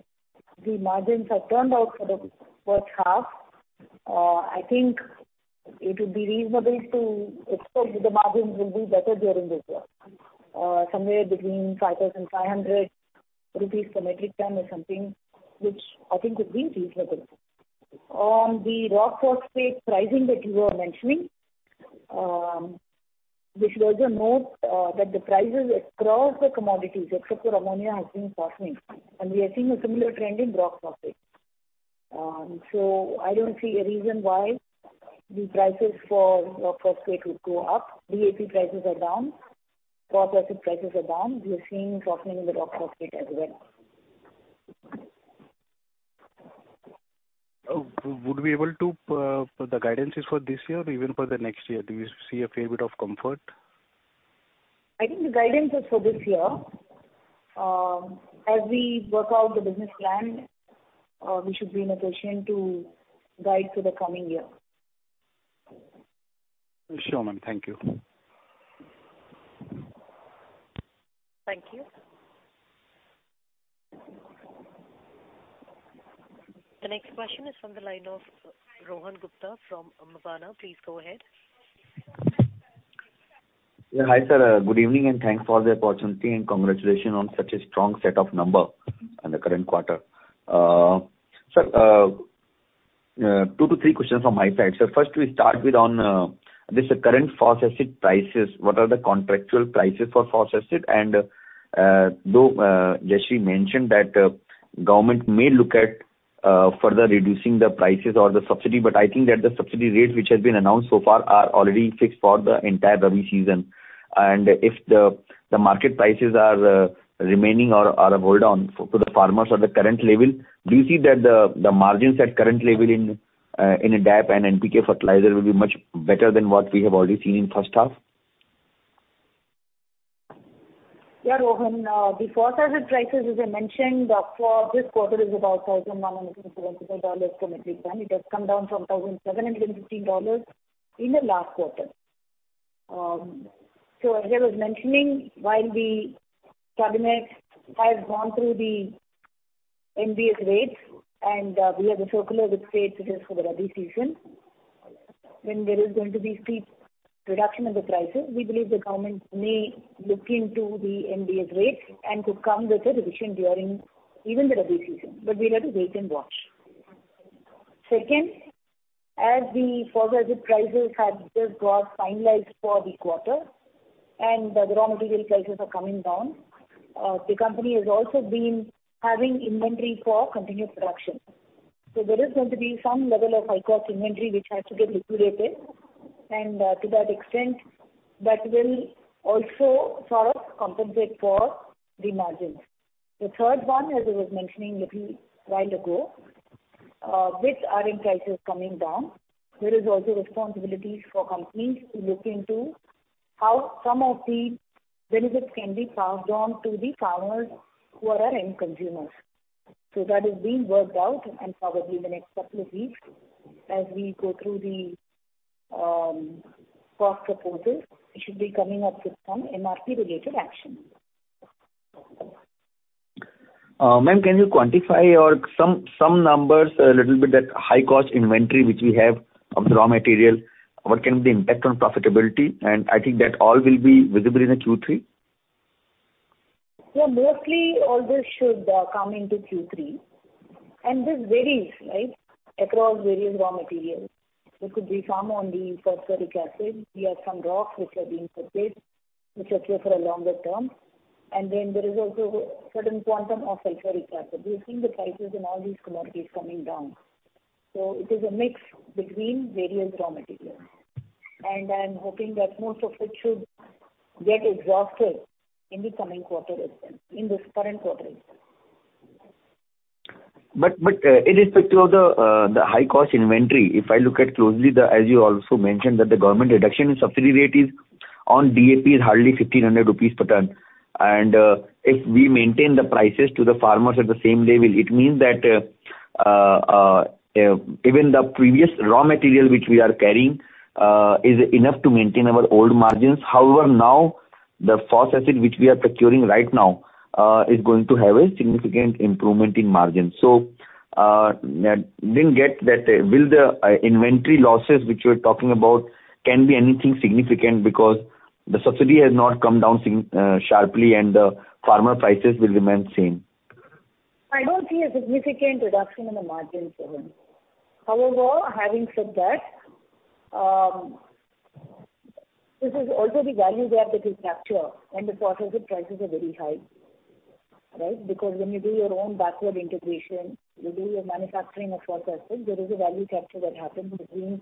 the margins have turned out for the first half, I think it would be reasonable to expect that the margins will be better during this year. Somewhere between 5,500 rupees per metric ton or something, which I think would be reasonable. On the rock phosphate pricing that you were mentioning, we should also note that the prices across the commodities, except for ammonia, has been softening, and we are seeing a similar trend in rock phosphate. I don't see a reason why the prices for rock phosphate would go up. DAP prices are down. Phosphoric prices are down. We are seeing softening in the rock phosphate as well. Would we able to the guidances for this year or even for the next year? Do you see a fair bit of comfort? I think the guidance is for this year. As we work out the business plan, we should be in a position to guide for the coming year. Sure, ma'am. Thank you. Thank you. The next question is from the line of Rohan Gupta from Nuvama. Please go ahead. Hi, sir. Good evening, and thanks for the opportunity, and congratulations on such a strong set of numbers in the current quarter. Sir, two to three questions from my side. First, we start with this current phosphoric prices. What are the contractual prices for phosphoric? Though Jayashree mentioned that government may look at further reducing the prices or the subsidy, but I think that the subsidy rates which have been announced so far are already fixed for the entire Rabi season. If the market prices are remaining or holding for the farmers at the current level, do you see that the margins at current level in DAP and NPK fertilizer will be much better than what we have already seen in first half? Yeah, Rohan, the Phosphoric Acid prices, as I mentioned, for this quarter is about $1,124 per metric ton. It has come down from $1,715 in the last quarter. As I was mentioning, while the cabinet has gone through the NBS rates, and we have a circular with states which is for the Rabi season, when there is going to be steep reduction in the prices, we believe the government may look into the NBS rates and could come with a revision during even the Rabi season. We'll have to wait and watch. Second, as the Phosphoric Acid prices had just got finalized for the quarter and the raw material prices are coming down, the company has also been having inventory for continuous production. There is going to be some level of high-cost inventory which has to get liquidated. To that extent, that will also sort of compensate for the margins. The third one, as I was mentioning little while ago, with our input prices coming down, there is also responsibilities for companies to look into how some of the benefits can be passed on to the farmers who are our end consumers. That is being worked out and probably in the next couple of weeks as we go through the cost proposal, it should be coming up with some MRP related action. Ma'am, can you quantify or some numbers a little bit that high cost inventory which we have of the raw material, what can be the impact on profitability? I think that all will be visible in the Q3. Yeah, mostly all this should come into Q3. This varies, right, across various raw materials. It could be some on the sulfuric acid. We have some rocks which are being put in, which are clear for a longer term. Then there is also certain quantum of sulfuric acid. We've seen the prices in all these commodities coming down. It is a mix between various raw materials. I'm hoping that most of it should get exhausted in the coming quarter itself, in this current quarter itself. Irrespective of the high cost inventory, if I look at closely the, as you also mentioned, that the government reduction in subsidy rate is on DAP is hardly 1,500 rupees per ton. If we maintain the prices to the farmers at the same level, it means that even the previous raw material which we are carrying is enough to maintain our old margins. However, now the phosphoric acid which we are procuring right now is going to have a significant improvement in margin. Didn't get that. Will the inventory losses which you are talking about can be anything significant because the subsidy has not come down sharply and the farmer prices will remain same. I don't see a significant reduction in the margin, Suvanc. However, having said that, this is also the value gap that we capture when the phos acid prices are very high, right? Because when you do your own backward integration, you do your manufacturing of phos acid, there is a value capture that happens between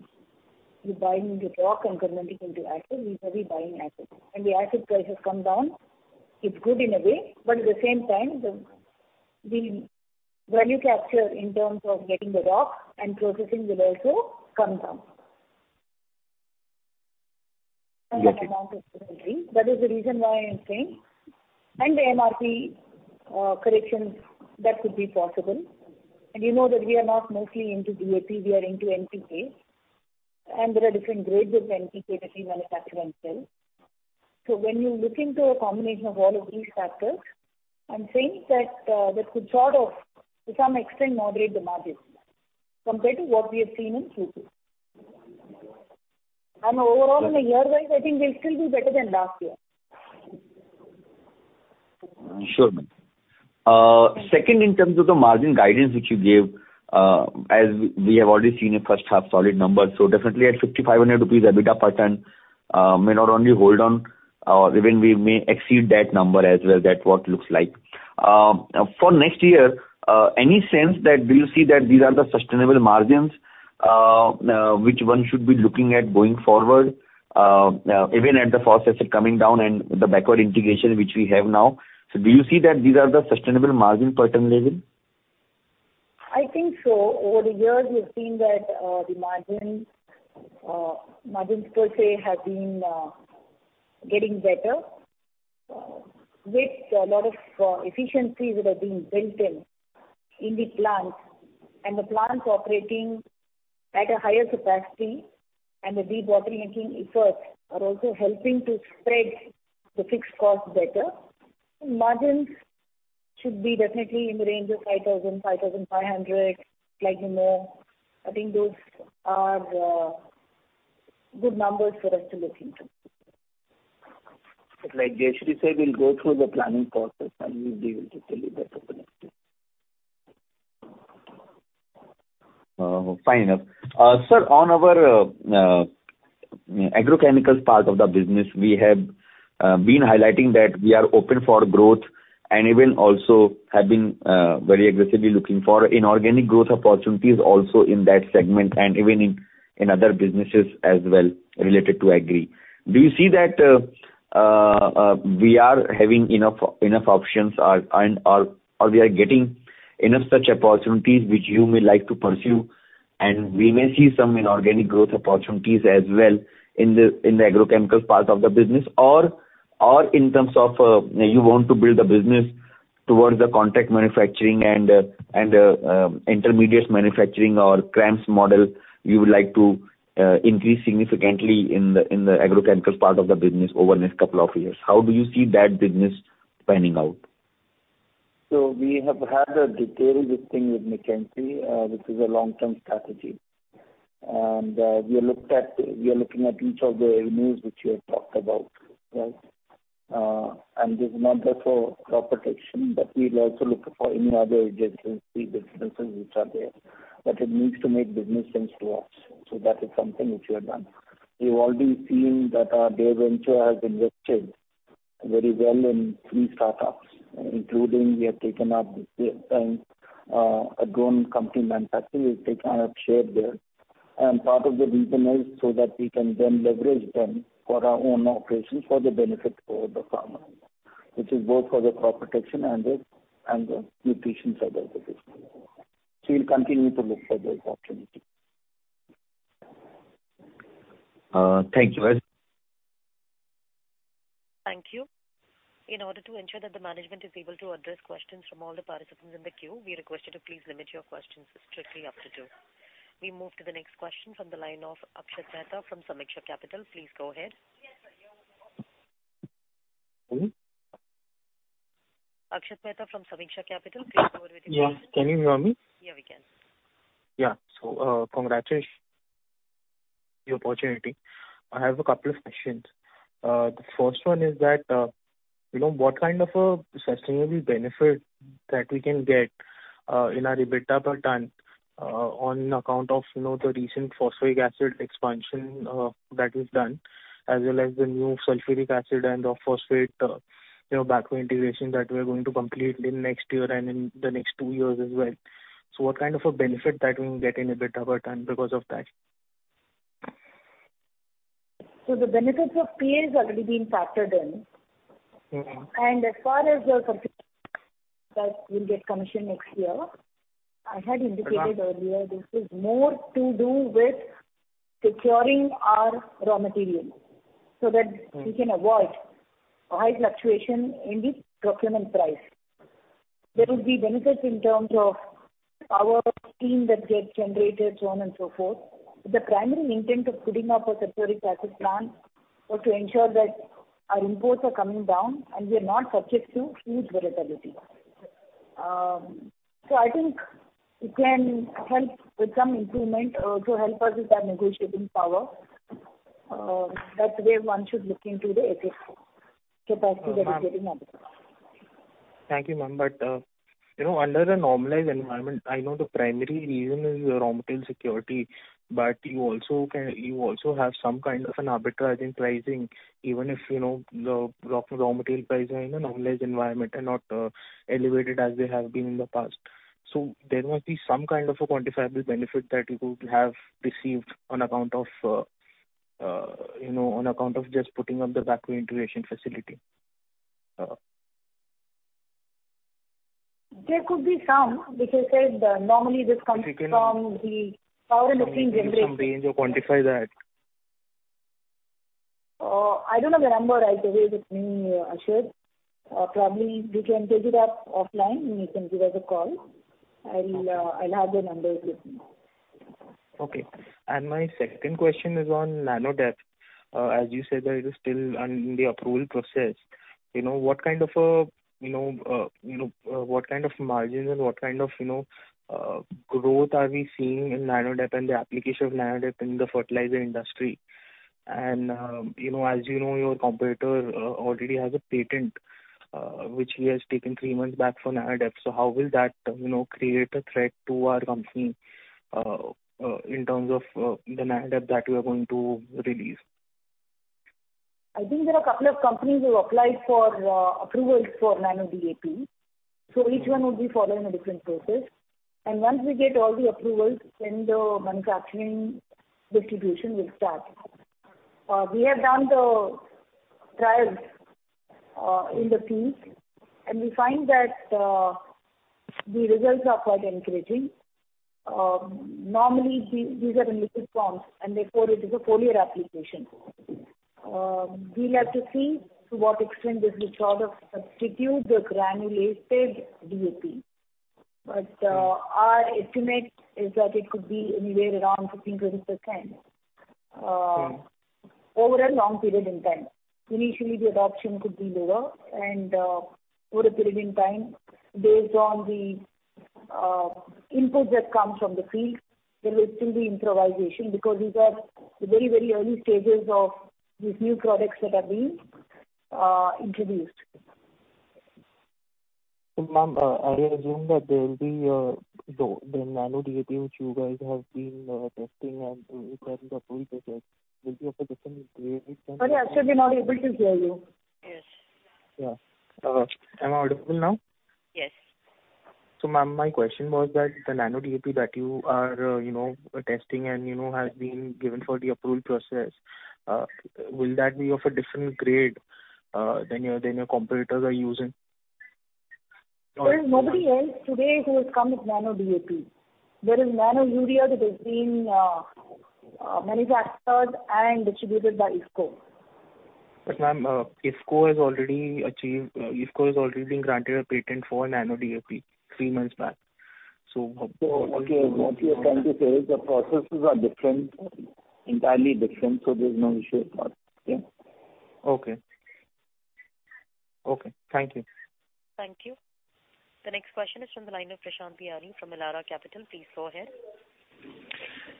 you buying the rock and converting into acid, instead of you buying acid. When the acid price has come down, it's good in a way, but at the same time, the value capture in terms of getting the rock and processing will also come down. Got it. Amount of inventory. That is the reason why I'm saying. The MRP corrections that could be possible. You know that we are not mostly into DAP, we are into NPK. There are different grades of NPK which we manufacture and sell. When you look into a combination of all of these factors, I'm saying that that could sort of to some extent moderate the margins compared to what we have seen in Q2. Overall in a year wise, I think we'll still be better than last year. Sure. Second, in terms of the margin guidance which you gave, as we have already seen a first half solid number, definitely at 5,500 rupees EBITDA per ton, may not only hold on, even we may exceed that number as well. That's what looks like. For next year, any sense that will you see that these are the sustainable margins, which one should be looking at going forward, even at the phosphoric acid coming down and the backward integration which we have now? Do you see that these are the sustainable margin per ton level? I think so. Over the years, we've seen that the margin, margins per se have been getting better with a lot of efficiencies that are being built in the plant. The plant operating at a higher capacity and the de-bottlenecking efforts are also helping to spread the fixed cost better. Margins should be definitely in the range of 5,000-5,500, slightly more. I think those are good numbers for us to look into. Like Jaishree said, we'll go through the planning process and we'll be able to tell you better for next year. Fine. Sir, on our agrochemicals part of the business, we have been highlighting that we are open for growth and even also have been very aggressively looking for inorganic growth opportunities also in that segment and even in other businesses as well related to agri. Do you see that we are having enough options or we are getting enough such opportunities which you may like to pursue and we may see some inorganic growth opportunities as well in the agrochemicals part of the business? Or in terms of you want to build a business towards the contract manufacturing and intermediates manufacturing or CRAMS model, you would like to increase significantly in the agrochemicals part of the business over next couple of years. How do you see that business panning out? We have had a detailed listing with McKinsey, which is a long-term strategy. We are looking at each of the avenues which you have talked about. Right. This is not just for crop protection, but we'll also look for any other adjacent businesses which are there. It needs to make business sense to us. That is something which we have done. You've already seen that our Dare Ventures has invested very well in three startups, including we have taken up a drone company manufacturing, we've taken up share there. Part of the reason is so that we can then leverage them for our own operations for the benefit for the farmer. Which is both for the crop protection and the nutrition side of the business. We'll continue to look for those opportunities. Thank you very much. In order to ensure that the management is able to address questions from all the participants in the queue, we request you to please limit your questions strictly up to two. We move to the next question from the line of Akshat Mehta from Sameeksha Capital. Please go ahead. Yes, sir. You're welcome. Mm-hmm. Akshat Mehta from Sameeksha Capital, please go ahead with your question. Yeah. Can you hear me? Yeah, we can. Yeah. Congrats your opportunity. I have a couple of questions. The first one is that, you know, what kind of a sustainable benefit that we can get, in our EBITDA per ton, on account of, you know, the recent Phosphoric Acid expansion, that is done, as well as the new sulfuric acid and the phosphate, you know, backward integration that we are going to complete in next year and in the next two years as well. What kind of a benefit that we will get in EBITDA per ton because of that? The benefits of PA has already been factored in. Mm-hmm. As far as your sulfuric acid, that will get commissioned next year. I had indicated earlier. Uh-huh. This is more to do with securing our raw material so that Mm-hmm. We can avoid a high fluctuation in the procurement price. There will be benefits in terms of power, steam that get generated, so on and so forth. The primary intent of putting up a sulfuric acid plant was to ensure that our imports are coming down and we are not subject to huge variability. I think it can help with some improvement, to help us with our negotiating power, that way one should look into the extra capacity that is getting added. Thank you, ma'am. You know, under the normalized environment, I know the primary reason is your raw material security. You also have some kind of an arbitrage in pricing, even if, you know, the raw material prices are in a normalized environment and not elevated as they have been in the past. There must be some kind of a quantifiable benefit that you could have received on account of, you know, on account of just putting up the backward integration facility. There could be some, which I said, normally this comes from the power and steam generation. Can you give me some range or quantify that? I don't have the number right away with me, Akshat. Probably you can take it up offline. You can give us a call. I'll have the numbers with me. Okay. My second question is on Nano DAP. As you said that it is still under the approval process. You know, what kind of margins and what kind of, you know, growth are we seeing in Nano DAP and the application of Nano DAP in the fertilizer industry? You know, as you know, your competitor already has a patent which he has taken three months back for Nano DAP. How will that, you know, create a threat to our company in terms of the Nano DAP that we are going to release? I think there are a couple of companies who applied for approvals for Nano DAP. Each one would be following a different process. Once we get all the approvals, then the manufacturing distribution will start. We have done the trials in the field, and we find that the results are quite encouraging. Normally these are in liquid forms, and therefore it is a foliar application. We'll have to see to what extent this will sort of substitute the granulated DAP. Our estimate is that it could be anywhere around 15%-20%. Okay. Over a long period in time. Initially, the adoption could be lower and, over a period in time based on the input that comes from the field, there will still be improvisation because these are the very, very early stages of these new products that are being introduced. Ma'am, I assume that there will be the Nano DAP, which you guys have been testing and requiring the approval process, will be of a different grade than- Sorry, Akshat, we're not able to hear you. Yes. Yeah. Am I audible now? Yes. Ma'am, my question was that the Nano DAP that you are, you know, testing and, you know, has been given for the approval process, will that be of a different grade than your competitors are using? There is nobody else today who has come with Nano DAP. There is Nano Urea that is being manufactured and distributed by IFFCO. Ma'am, IFFCO has already been granted a patent for Nano DAP three months back. What- Okay, what you're trying to say is the processes are different, entirely different, so there's no issue at all. Yeah. Okay. Thank you. Thank you. The next question is from the line of Prashant Biyani from Elara Capital. Please go ahead.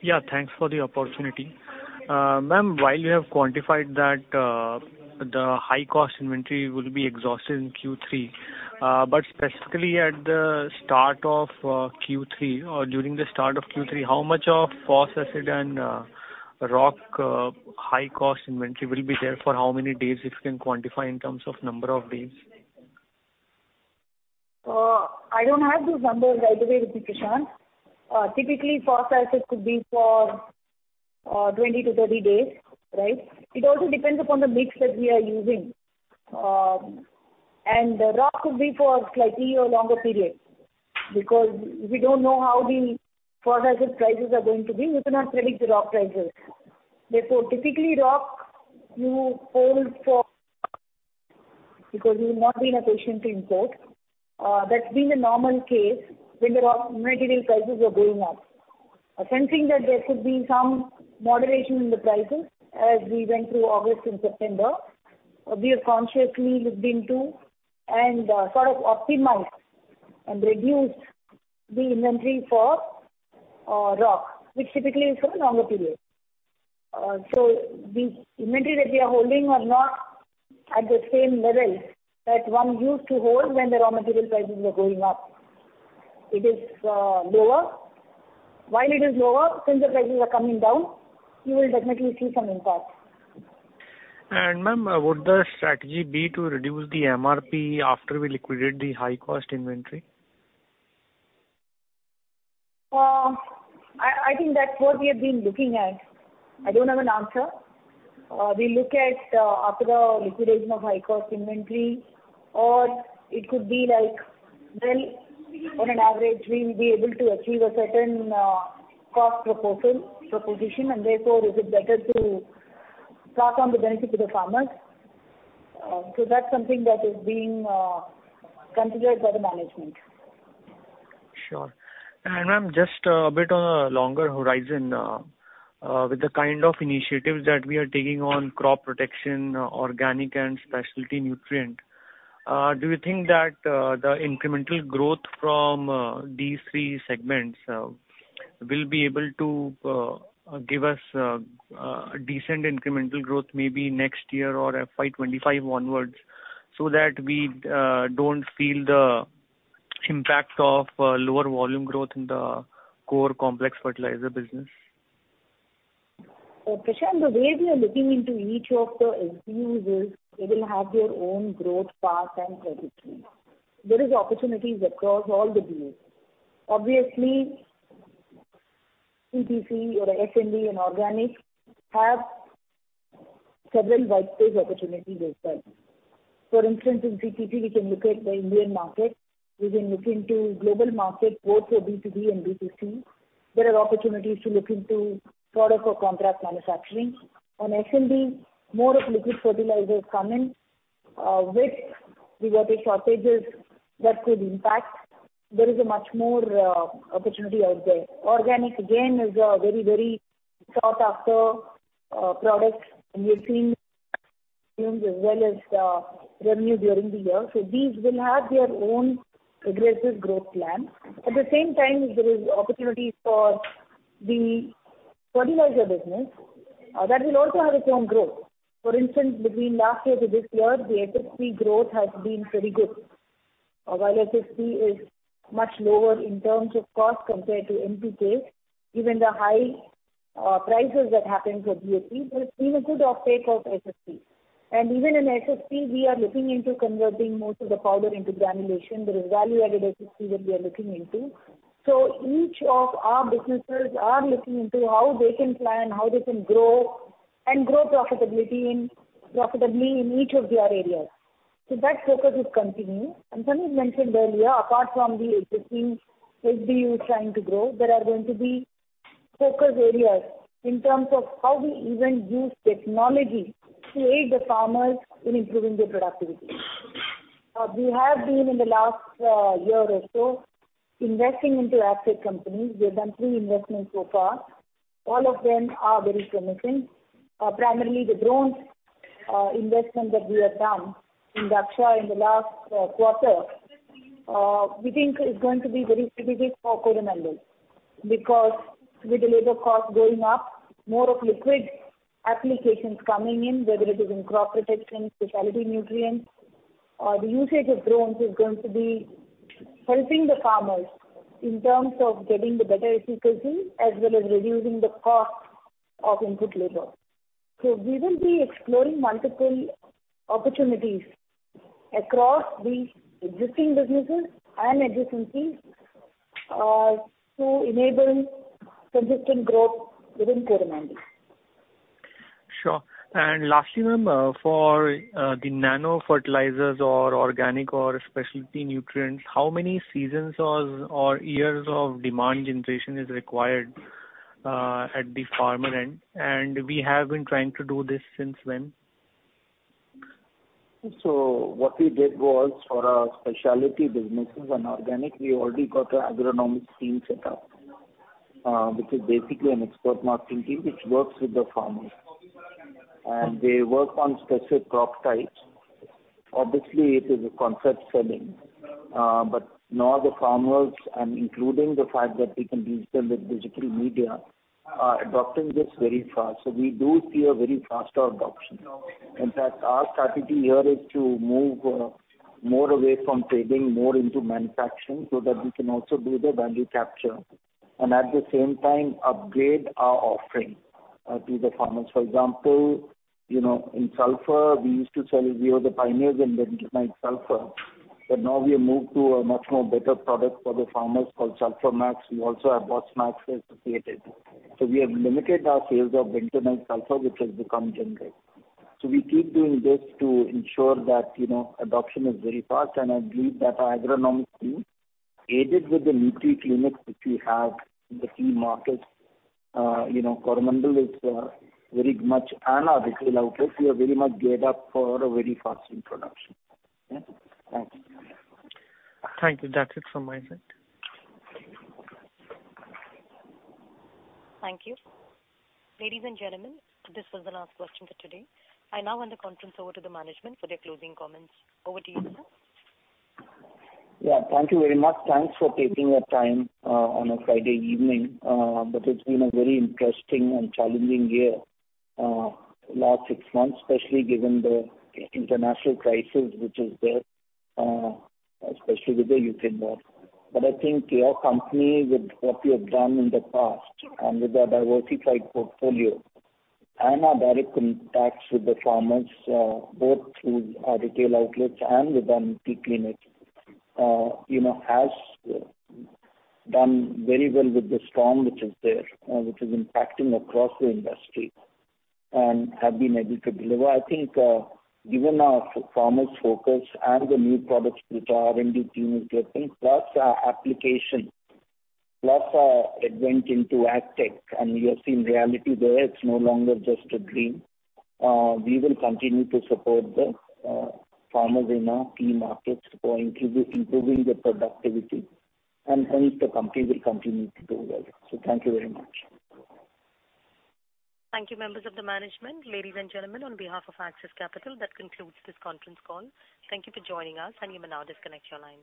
Yeah, thanks for the opportunity. Ma'am, while you have quantified that the high-cost inventory will be exhausted in Q3, but specifically at the start of Q3 or during the start of Q3, how much of phosphoric acid and rock high-cost inventory will be there for how many days, if you can quantify in terms of number of days? I don't have those numbers right away with me, Prashant. Typically, phosphoric acid could be for 20-30 days, right? It also depends upon the mix that we are using. And the rock could be for slightly longer period, because we don't know how the fertilizer prices are going to be. We cannot predict the rock prices. Therefore, typically, rock you hold for because you will not be in a position to import. That's been the normal case when the raw material prices were going up. Sensing that there could be some moderation in the prices as we went through August and September, we have consciously looked into and sort of optimized and reduced the inventory for rock, which typically is for a longer period. The inventory that we are holding are not at the same level that one used to hold when the raw material prices were going up. It is lower. While it is lower, since the prices are coming down, you will definitely see some impact. Ma'am, would the strategy be to reduce the MRP after we liquidate the high cost inventory? I think that's what we have been looking at. I don't have an answer. We look at after the liquidation of high-cost inventory, or it could be like, well, on an average, we will be able to achieve a certain cost proposition, and therefore is it better to pass on the benefit to the farmers. That's something that is being considered by the management. Sure. Ma'am, just a bit on a longer horizon, with the kind of initiatives that we are taking on crop protection, organic and specialty nutrient, do you think that the incremental growth from these three segments will be able to give us a decent incremental growth maybe next year or FY 2025 onwards so that we don't feel the impact of lower volume growth in the core complex fertilizer business? Prashant, the way we are looking into each of the SBU is they will have their own growth path and trajectory. There is opportunities across all the BUs. Obviously, CPC or FMB and organic have several white space opportunities as well. For instance, in CPC, we can look at the Indian market. We can look into global market both for B2B and B2C. There are opportunities to look into product or contract manufacturing. On FMB, more of liquid fertilizers come in with the water shortages that could impact. There is a much more opportunity out there. Organic, again, is a very, very sought-after product, and we're seeing as well as the revenue during the year. These will have their own aggressive growth plan. At the same time, there is opportunity for the fertilizer business that will also have its own growth. For instance, between last year to this year, the SSP growth has been very good. While SSP is much lower in terms of cost compared to NPK, given the high prices that happened for DAP, there's been a good offtake of SSP. Even in SSP, we are looking into converting most of the powder into granulation. There is value-added SSP that we are looking into. Each of our businesses are looking into how they can plan, how they can grow and grow profitability in, profitably in each of their areas. That focus is continuing. Sameer mentioned earlier, apart from the existing SBU trying to grow, there are going to be focus areas in terms of how we even use technology to aid the farmers in improving their productivity. We have been in the last year or so investing into ag tech companies. We have done three investments so far. All of them are very promising. Primarily the drones investment that we have done in Dhaksha in the last quarter, we think is going to be very strategic for Coromandel because with the labor cost going up, more of liquid applications coming in, whether it is in crop protection, specialty nutrients, the usage of drones is going to be helping the farmers in terms of getting the better efficiency as well as reducing the cost of input labor. We will be exploring multiple opportunities across the existing businesses and adjacencies to enable consistent growth within Coromandel. Sure. Lastly, ma'am, for the nano fertilizers or organic or specialty nutrients, how many seasons or years of demand generation is required at the farmer end? We have been trying to do this since when? What we did was for our specialty businesses and organic, we already got an agronomic team set up, which is basically an expert marketing team which works with the farmers. They work on specific crop types. Obviously, it is a concept selling. But now the farmers, and including the fact that we can reach them with digital media, are adopting this very fast. We do see a very faster adoption. In fact, our strategy here is to move, more away from trading, more into manufacturing so that we can also do the value capture and at the same time upgrade our offering, to the farmers. For example, you know, in sulfur, we used to sell, we are the pioneers in the bentonite sulphur. Now we have moved to a much more better product for the farmers called Sulphamax. We also have Bosmax which is created. We have limited our sales of bentonite sulfur, which has become generic. We keep doing this to ensure that, you know, adoption is very fast. I believe that our agronomic team, aided with the Nutri-Clinic which we have in the key markets, you know, Coromandel is very much. Our retail outlets, we are very much geared up for a very fast introduction. Yeah. Thanks. Thank you. That's it from my side. Thank you. Ladies and gentlemen, this was the last question for today. I now hand the conference over to the management for their closing comments. Over to you, sir. Yeah, thank you very much. Thanks for taking the time on a Friday evening. It's been a very interesting and challenging year, last six months, especially given the international crisis which is there, especially with the Ukraine war. I think our company, with what we have done in the past and with our diversified portfolio and our direct contacts with the farmers, both through our retail outlets and with our Nutri-Clinic, you know, has done very well with the storm which is there, which is impacting across the industry and have been able to deliver. I think, given our farmers focus and the new products which our R&D team is getting, plus our application, plus our advent into AgTech, and you have seen reality there, it's no longer just a dream, we will continue to support the farmers in our key markets for improving their productivity and hence the company will continue to do well. Thank you very much. Thank you, members of the management. Ladies and gentlemen, on behalf of Axis Capital, that concludes this conference call. Thank you for joining us. You may now disconnect your lines.